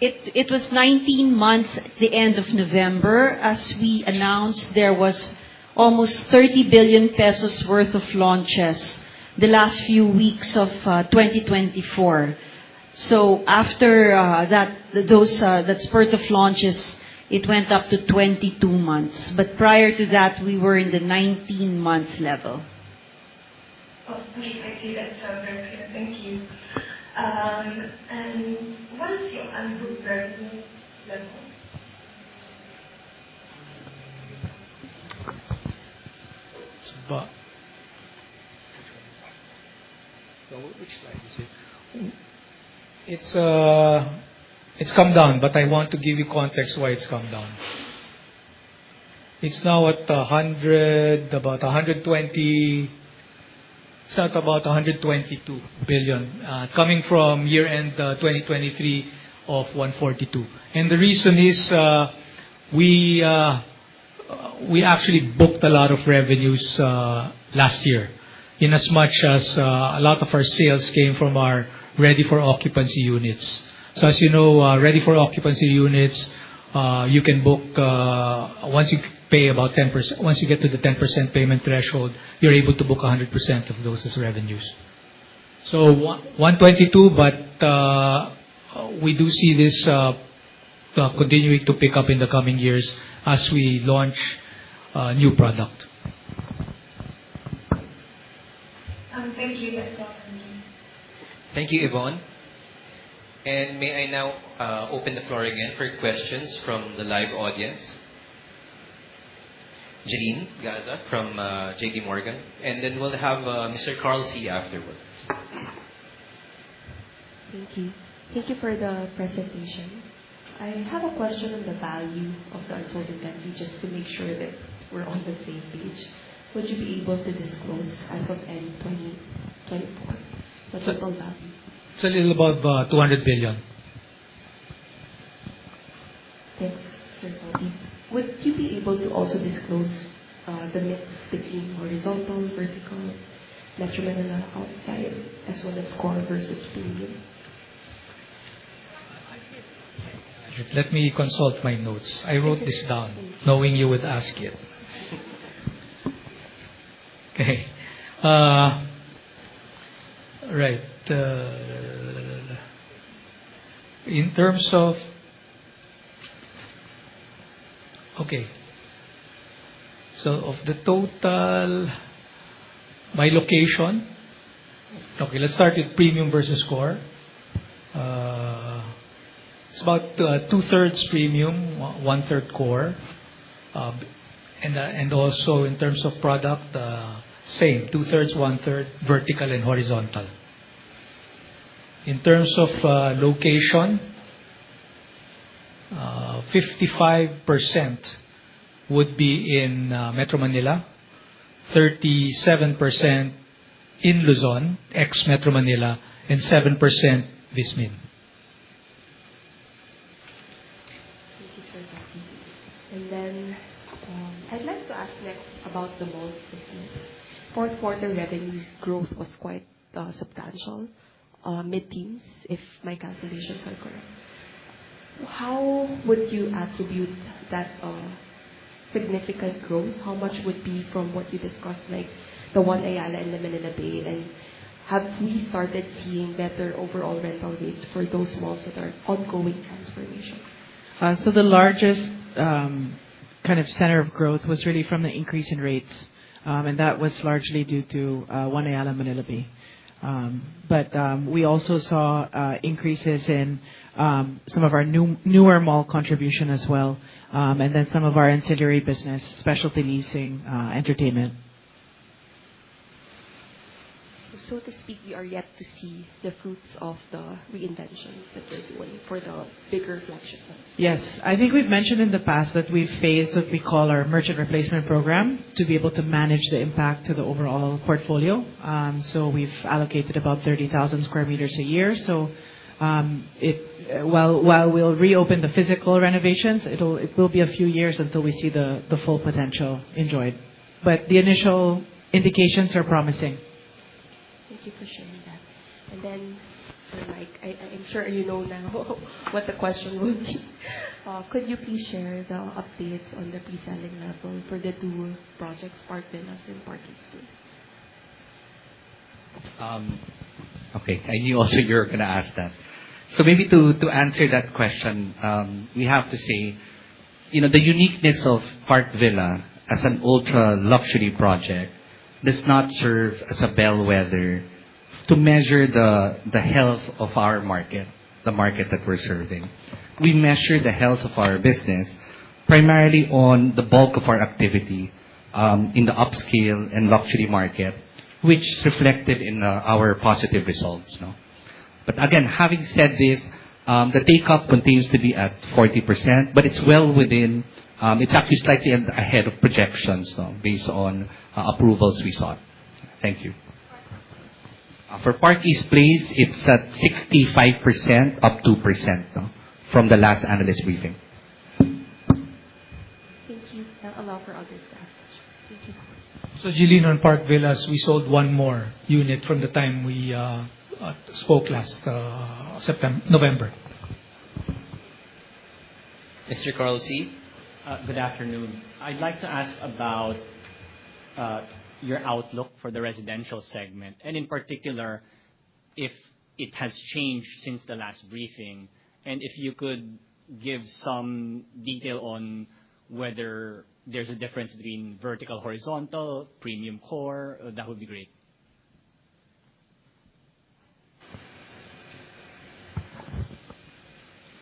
It was 19 months at the end of November. As we announced, there was almost 30 billion pesos worth of launches the last few weeks of 2024. After that spurt of launches, it went up to 22 months. Prior to that, we were in the 19 months level. Okay. Thank you. That's very clear. Thank you. What is your unbilled revenue level? Which slide is it? It's come down, but I want to give you context why it's come down. It's now at about 122 billion, coming from year-end 2023 of 142 billion. The reason is we actually booked a lot of revenues last year. In as much as a lot of our sales came from our ready-for-occupancy units. As you know, ready-for-occupancy units, once you get to the 10% payment threshold, you're able to book 100% of those as revenues. 122 billion, but we do see this continuing to pick up in the coming years as we launch new product. Thank you. That's all from me. Thank you, Yvonne. May I now open the floor again for questions from the live audience. Janine Gaza from JP Morgan, then we'll have Mr. Carl Sy afterwards. Thank you. Thank you for the presentation. I have a question on the value of the unsold inventory, just to make sure that we're on the same page. Would you be able to disclose as of end 2024, what's the total value? It's a little above 200 million. Thanks, Sir Bobby. Would you be able to also disclose the mix between horizontal, vertical, Metro Manila, outside, as well as core versus premium? Let me consult my notes. I wrote this down knowing you would ask it. In terms of the total by location. Let's start with premium versus core. It's about two-thirds premium, one-third core. Also in terms of product, same, two-thirds, one-third vertical and horizontal. In terms of location, 55% would be in Metro Manila, 37% in Luzon, ex-Metro Manila, 7% VisMin. Thank you, sir. Then I'd like to ask next about the malls business. Fourth quarter revenues growth was quite substantial, mid-teens, if my calculations are correct. How would you attribute that significant growth? How much would be from what you discussed, like the One Ayala and the Manila Bay? Have we started seeing better overall rental rates for those malls that are ongoing transformation? The largest center of growth was really from the increase in rates, that was largely due to One Ayala and Manila Bay. We also saw increases in some of our newer mall contribution as well, then some of our ancillary business, specialty leasing, entertainment. To speak, we are yet to see the fruits of the reinventions that we're doing for the bigger flagship ones. Yes. I think we've mentioned in the past that we've faced what we call our merchant replacement program to be able to manage the impact to the overall portfolio. We've allocated about 30,000 square meters a year. While we'll reopen the physical renovations, it will be a few years until we see the full potential enjoyed. The initial indications are promising. Thank you for sharing that. Sir Mike, I'm sure you know now what the question would be. Could you please share the updates on the pre-selling level for the two projects, Park Villas and Park East Place? Okay. I knew also you were going to ask that. Maybe to answer that question, we have to say the uniqueness of Park Villas as an ultra-luxury project does not serve as a bellwether to measure the health of our market, the market that we're serving. We measure the health of our business primarily on the bulk of our activity in the upscale and luxury market, which is reflected in our positive results. Again, having said this, the take-up continues to be at 40%, but it's actually slightly ahead of projections based on approvals we saw. Thank you. For Park East Place, it's at 65%, up 2% from the last analyst briefing. Thank you. That allow for others to ask questions. Thank you. Janine, on Park Villas, we sold one more unit from the time we spoke last November. Mr. Carl Sy. Good afternoon. I'd like to ask about your outlook for the residential segment, and in particular, if it has changed since the last briefing. If you could give some detail on whether there's a difference between vertical, horizontal, premium, core, that would be great.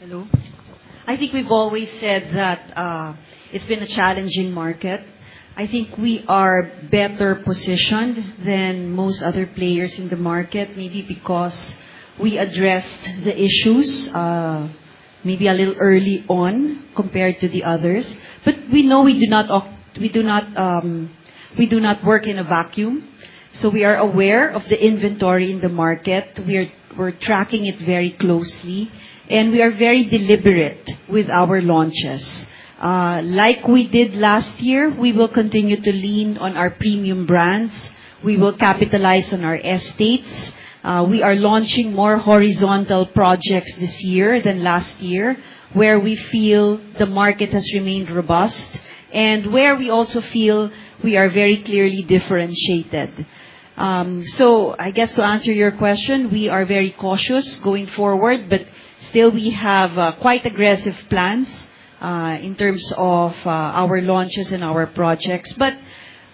Hello. I think we've always said that it's been a challenging market. I think we are better positioned than most other players in the market, maybe because we addressed the issues maybe a little early on compared to the others. We know we do not work in a vacuum, so we are aware of the inventory in the market. We're tracking it very closely, and we are very deliberate with our launches. Like we did last year, we will continue to lean on our premium brands. We will capitalize on our estates. We are launching more horizontal projects this year than last year, where we feel the market has remained robust and where we also feel we are very clearly differentiated. I guess to answer your question, we are very cautious going forward, but still we have quite aggressive plans in terms of our launches and our projects.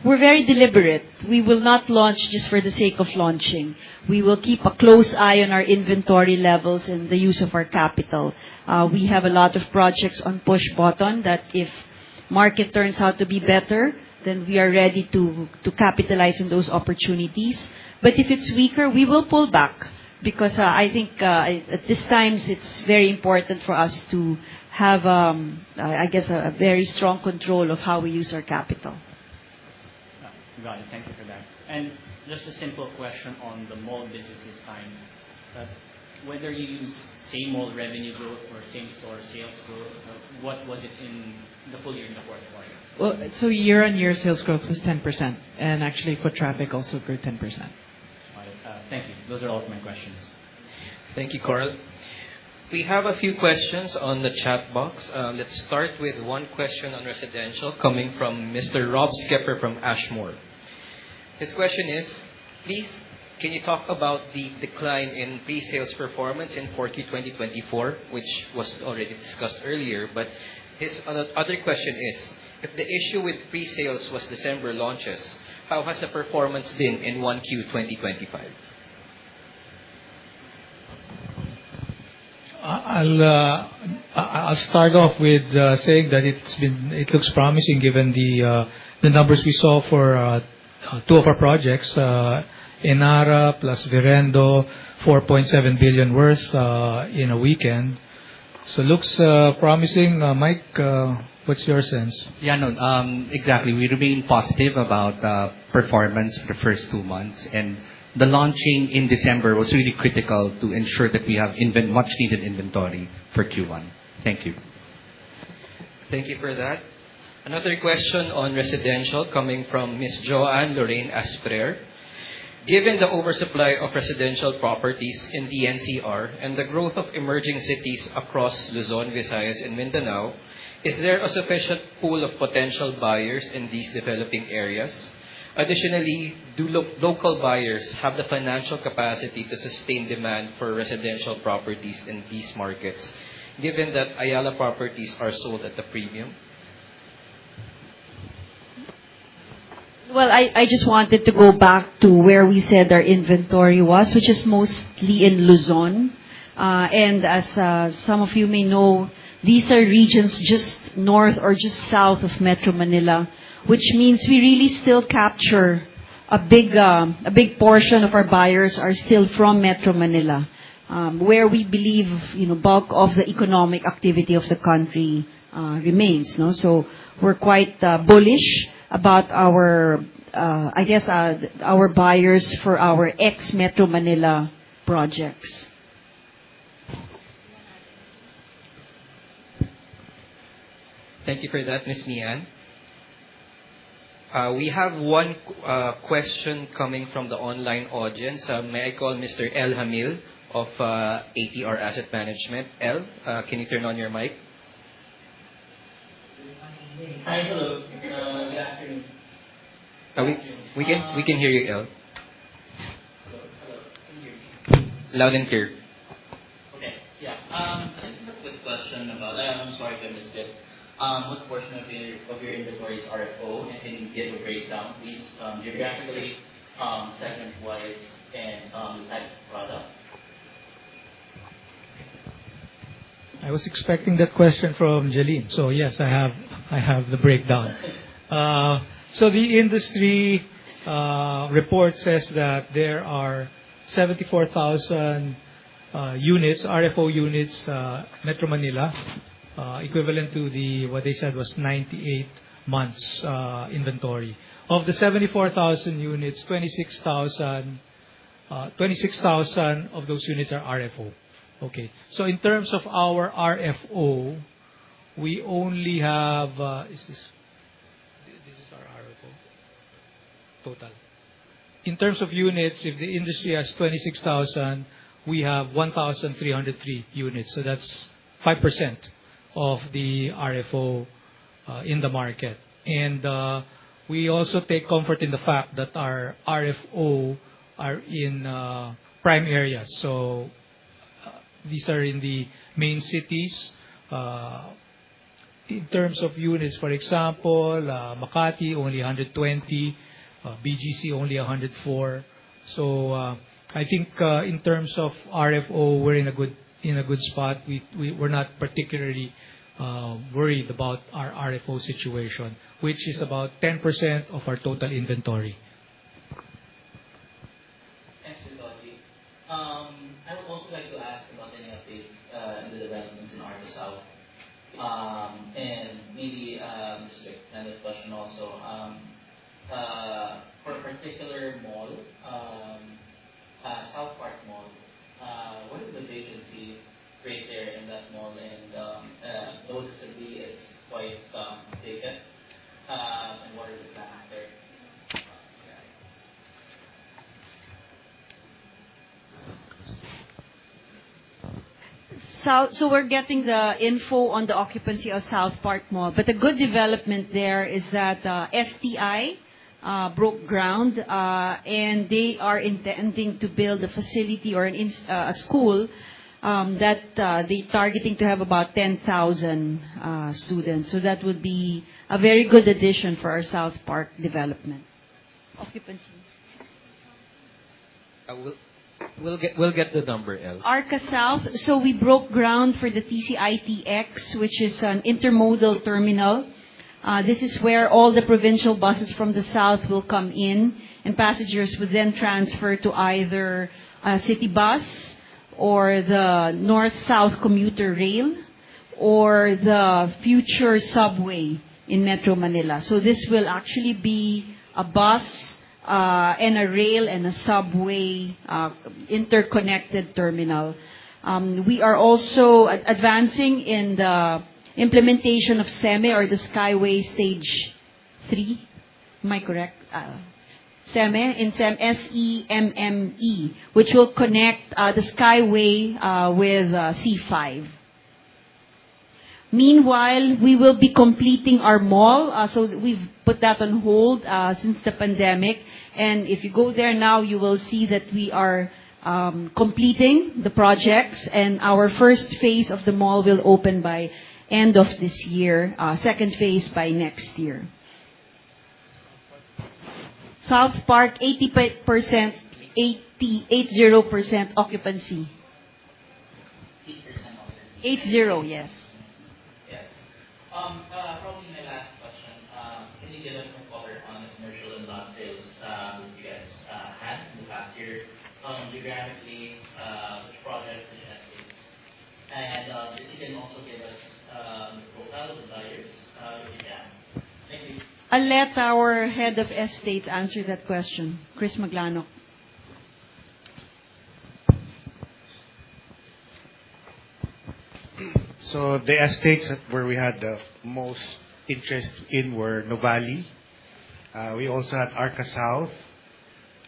We're very deliberate. We will not launch just for the sake of launching. We will keep a close eye on our inventory levels and the use of our capital. We have a lot of projects on push button that if market turns out to be better, then we are ready to capitalize on those opportunities. If it's weaker, we will pull back, because I think at these times, it's very important for us to have a very strong control of how we use our capital. Got it. Thank you for that. Just a simple question on the mall business this time. Whether you use same-store revenue growth or same-store sales growth, what was it in the full year in the fourth quarter? Year-on-year sales growth was 10%, and actually foot traffic also grew 10%. All right. Thank you. Those are all of my questions. Thank you, Coral. We have a few questions on the chat box. Let's start with one question on residential coming from Mr. Rob Skipper from Ashmore. His question is, please can you talk about the decline in pre-sales performance in Q4 2024, which was already discussed earlier. His other question is, if the issue with pre-sales was December launches, how has the performance been in 1 Q 2025? I'll start off with saying that it looks promising given the numbers we saw for two of our projects, Enara plus Virendo, 4.7 billion worth in a weekend. Looks promising. Mike, what's your sense? Yeah, no. Exactly. We remain positive about performance for the first two months. The launching in December was really critical to ensure that we have much needed inventory for Q1. Thank you. Thank you for that. Another question on residential coming from Ms. Joanne Lorraine Asprer. Given the oversupply of residential properties in the NCR and the growth of emerging cities across Luzon, Visayas, and Mindanao, is there a sufficient pool of potential buyers in these developing areas? Additionally, do local buyers have the financial capacity to sustain demand for residential properties in these markets, given that Ayala properties are sold at a premium? Well, I just wanted to go back to where we said our inventory was, which is mostly in Luzon. As some of you may know, these are regions just north or just south of Metro Manila, which means we really still capture a big portion of our buyers are still from Metro Manila where we believe bulk of the economic activity of the country remains. We're quite bullish about our buyers for our ex-Metro Manila projects. Thank you for that, Ms. Mian. We have one question coming from the online audience. May I call Mr. L Jamil of ATR Asset Management. L, can you turn on your mic? Hi. Hello. Good afternoon. We can hear you, L. Hello. Hello. Can you hear me? Loud and clear. Okay. Yeah. This is a quick question. I'm sorry if I missed it. What portion of your inventories are RFO? Can you give a breakdown, please? Geographically, segment-wise, and type of product. I was expecting that question from Jalen. Yes, I have the breakdown. The industry report says that there are 74,000 RFO units Metro Manila equivalent to what they said was 98 months inventory. Of the 74,000 units, 26,000 of those units are RFO. Okay. This is our RFO total. In terms of units, if the industry has 26,000, we have 1,303 units, so that's 5% of the RFO in the market. We also take comfort in the fact that our RFO are in prime areas. These are in the main cities. In terms of units, for example Makati only 120, BGC only 104. I think in terms of RFO, we're in a good spot. We're not particularly worried about our RFO situation, which is about 10% of our total inventory. Thanks a lot. I would also like to ask about any updates in the developments in Arca South. Maybe just a related question also. For a particular mall South Park Mall, what is the vacancy rate there in that mall? Noticeably it's quite vacant. What is the plan there? We're getting the info on the occupancy of South Park Mall. A good development there is that STI broke ground and they are intending to build a facility or a school that they're targeting to have about 10,000 students. That would be a very good addition for our South Park development. Occupancies. We'll get the number, Elle. Arca South, we broke ground for the TCITX, which is an intermodal terminal. This is where all the provincial buses from the south will come in, and passengers will then transfer to either a city bus or the North-South Commuter Rail or the future subway in Metro Manila. This will actually be a bus and a rail and a subway interconnected terminal. We are also advancing in the implementation of SEMME or the Skyway Stage 3. Am I correct? SEMME, S-E-M-M-E, which will connect the Skyway with C5. Meanwhile, we will be completing our mall. We've put that on hold since the pandemic. If you go there now, you will see that we are completing the projects and our first phase of the mall will open by end of this year, second phase by next year. Southpark, 80% occupancy. 80% occupancy. Eight, zero, yes. Yes. Probably my last question. Can you give us some color on the commercial and lot sales you guys had in the past year geographically, which projects and estates? If you can also give us the profile of the buyers, if you can. Thank you. I'll let our head of estates answer that question. Chris Maglanoc. The estates where we had the most interest in were Nuvali. We also had Arca South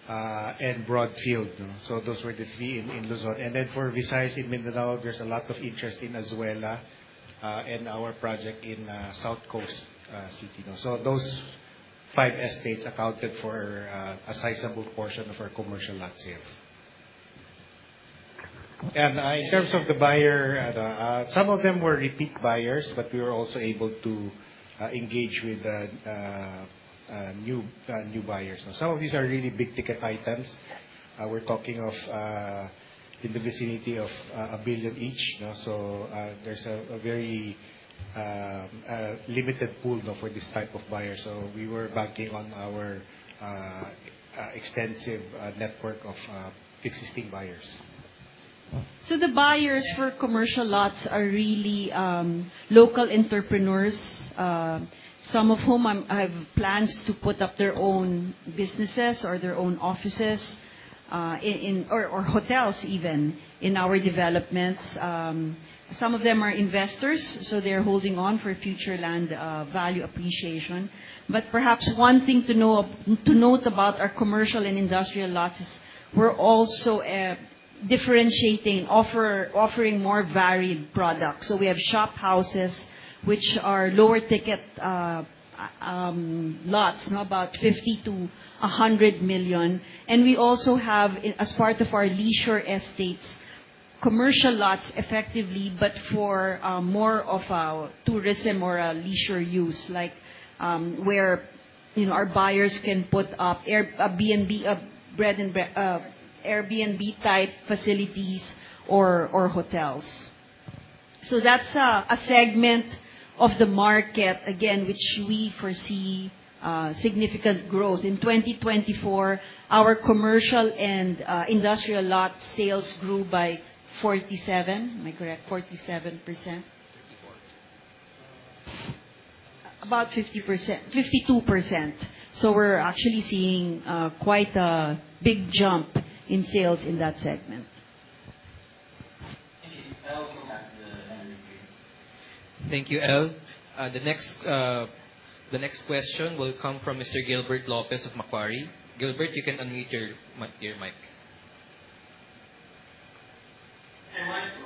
and Broadfield. Those were the three in Luzon. For Visayas and Mindanao, there's a lot of interest in Azuela and our project in South Coast City. Those five estates accounted for a sizable portion of our commercial lot sales. In terms of the buyer, some of them were repeat buyers, but we were also able to engage with new buyers. Some of these are really big-ticket items. We're talking of in the vicinity of 1 billion each. There's a very limited pool for this type of buyer. We were banking on our extensive network of existing buyers. The buyers for commercial lots are really local entrepreneurs, some of whom have plans to put up their own businesses or their own offices or hotels even in our developments. Some of them are investors, so they're holding on for future land value appreciation. Perhaps one thing to note about our commercial and industrial lots is we're also differentiating, offering more varied products. We have shop houses, which are lower-ticket lots, about 50 million-100 million. We also have, as part of our leisure estates, commercial lots effectively, but for more of our tourism or leisure use, like where our buyers can put up Airbnb type facilities or hotels. That's a segment of the market, again, which we foresee significant growth. In 2024, our commercial and industrial lot sales grew by 47%. Am I correct? 47%. Fifty-four. About 50%. 52%. We're actually seeing quite a big jump in sales in that segment. Thank you. Elle, we have the manager here. Thank you, Elle. The next question will come from Mr. Gilbert Lopez of Macquarie. Gilbert, you can unmute your mic. I wanted to ask, it was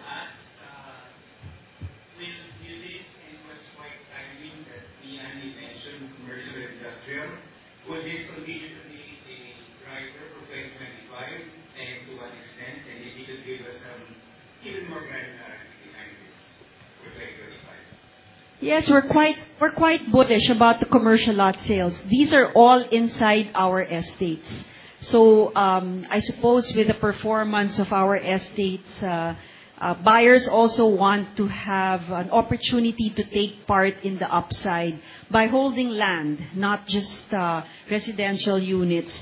quite timely that Ian mentioned commercial and industrial. Would this continue to be a driver for 2025? To what extent? If you could give us even more granularity behind this for 2025. Yes, we're quite bullish about the commercial lot sales. These are all inside our estates. I suppose with the performance of our estates, buyers also want to have an opportunity to take part in the upside by holding land, not just residential units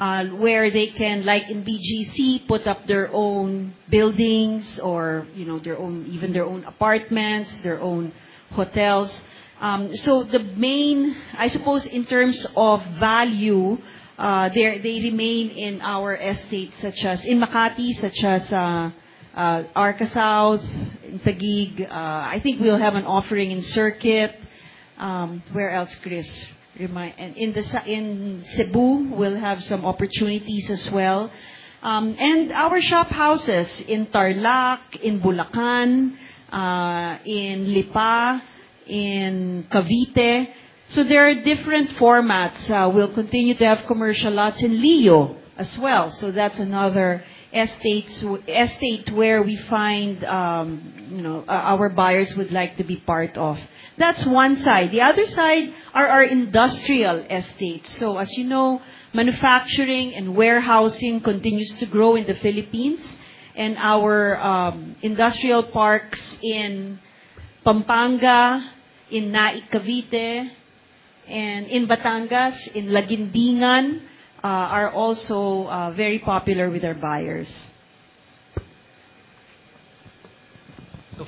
where they can, like in BGC, put up their own buildings or even their own apartments, their own hotels. The main, I suppose in terms of value they remain in our estates in Makati, such as Arca South in Taguig. I think we'll have an offering in Circuit. Where else, Chris? In Cebu, we'll have some opportunities as well. Our shop houses in Tarlac, in Bulacan, in Lipa, in Cavite. There are different formats. We'll continue to have commercial lots in Lio as well. That's another estate where we find our buyers would like to be part of. That's one side. The other side are our industrial estates. As you know, manufacturing and warehousing continues to grow in the Philippines. Our industrial parks in Pampanga, in Naic, Cavite, and in Batangas, in Laguindingan are also very popular with our buyers.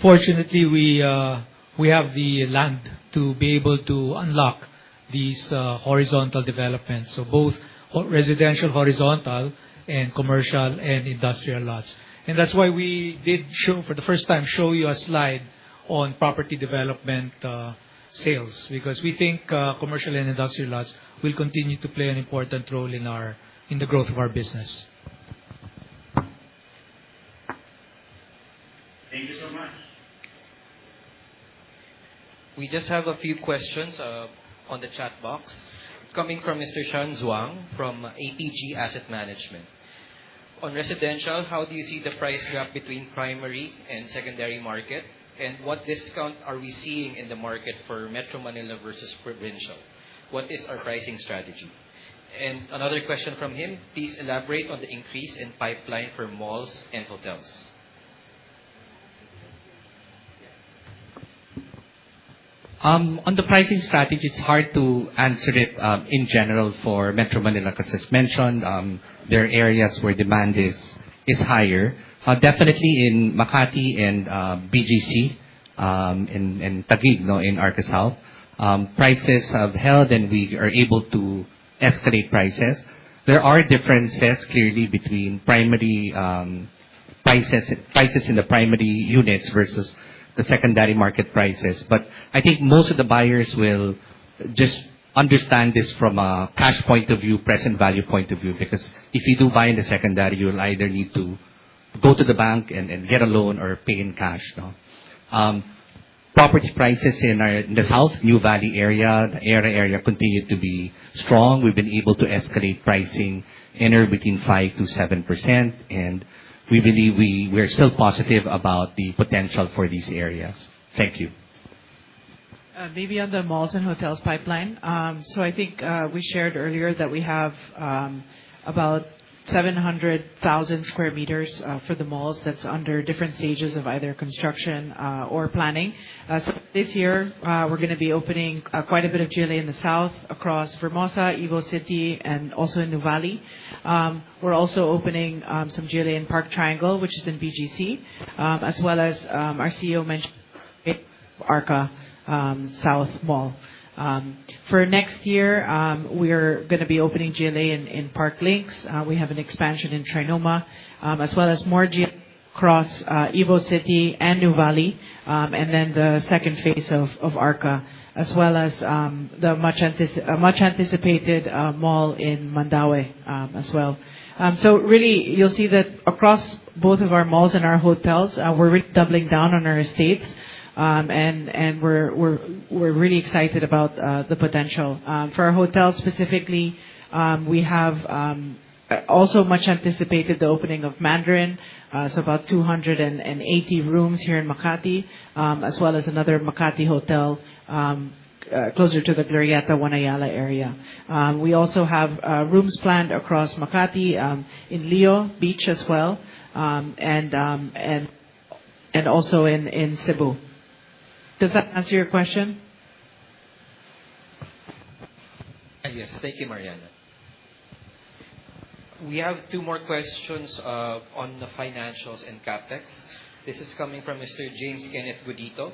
Fortunately, we have the land to be able to unlock these horizontal developments, both residential horizontal and commercial and industrial lots. That's why we did, for the first time, show you a slide on property development sales, because we think commercial and industrial lots will continue to play an important role in the growth of our business. Thank you so much. We just have a few questions on the chat box. Coming from Mr. Sean Zhuang from APG Asset Management: On residential, how do you see the price gap between primary and secondary market? What discount are we seeing in the market for Metro Manila versus provincial? What is our pricing strategy? Another question from him: Please elaborate on the increase in pipeline for malls and hotels. On the pricing strategy, it's hard to answer it in general for Metro Manila, because as mentioned, there are areas where demand is higher. Definitely in Makati and BGC and Taguig in Arca South, prices have held, and we are able to escalate prices. There are differences, clearly, between prices in the primary units versus the secondary market prices. I think most of the buyers will just understand this from a cash point of view, present value point of view, because if you do buy in the secondary, you'll either need to go to the bank and get a loan or pay in cash. Property prices in the South, Nuvali area, the Arca area continue to be strong. We've been able to escalate pricing anywhere between 5%-7%, and we believe we're still positive about the potential for these areas. Thank you. Maybe on the malls and hotels pipeline. I think we shared earlier that we have about 700,000 sq m for the malls that's under different stages of either construction or planning. This year, we're going to be opening quite a bit of GLA in the south across Vermosa, Evo City, and also in Nuvali. We're also opening some GLA in Park Triangle, which is in BGC as well as our CEO mentioned, Arca South Mall. For next year, we're going to be opening GLA in Parklinks. We have an expansion in Trinoma as well as more GLA across Evo City and Nuvali, and then the second phase of Arca, as well as the much-anticipated mall in Mandaue as well. Really, you'll see that across both of our malls and our hotels, we're really doubling down on our estates. We're really excited about the potential. For our hotels specifically, we have also much anticipated the opening of Mandarin. It's about 280 rooms here in Makati, as well as another Makati hotel closer to the Glorietta, Ayala area. We also have rooms planned across Makati in Lio Beach as well and also in Cebu. Does that answer your question? Yes. Thank you, Mariana. We have 2 more questions on the financials and CapEx. This is coming from Mr. James Kenneth Gudito.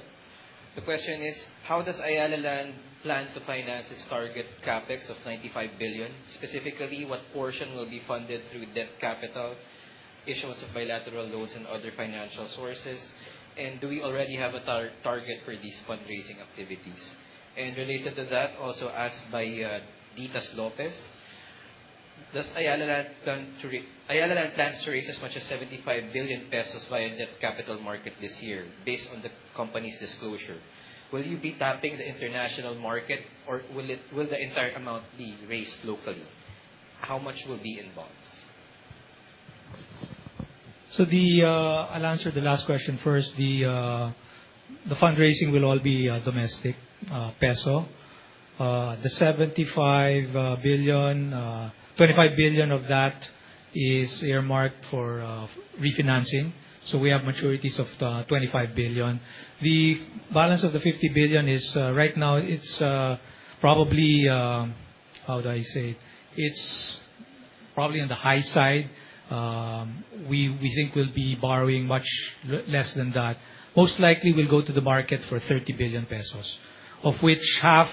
The question is: How does Ayala Land plan to finance its target CapEx of 95 billion? Specifically, what portion will be funded through debt capital, issuance of bilateral loans, and other financial sources? Do we already have a target for these fundraising activities? Related to that, also asked by Ditas Lopez: Ayala Land plans to raise as much as 75 billion pesos via the capital market this year based on the company's disclosure. Will you be tapping the international market or will the entire amount be raised locally? How much will be in bonds? I'll answer the last question first. The fundraising will all be domestic PHP. The 75 billion, 25 billion of that is earmarked for refinancing. We have maturities of 25 billion. The balance of the 50 billion is, right now, it's probably on the high side. We think we'll be borrowing much less than that. Most likely, we'll go to the market for 30 billion pesos. Of which half,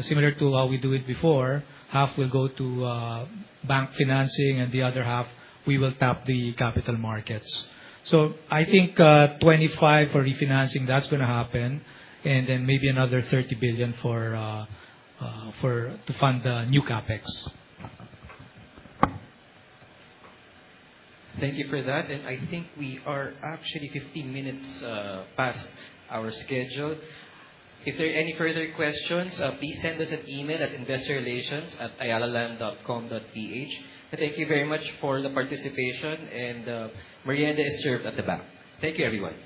similar to how we do it before, half will go to bank financing, and the other half we will tap the capital markets. I think 25 for refinancing, that's going to happen, and then maybe another 30 billion to fund the new CapEx. Thank you for that. I think we are actually 15 minutes past our schedule. If there are any further questions, please send us an email at investorrelations@ayalaland.com.ph. Thank you very much for the participation, and merienda is served at the back. Thank you, everyone.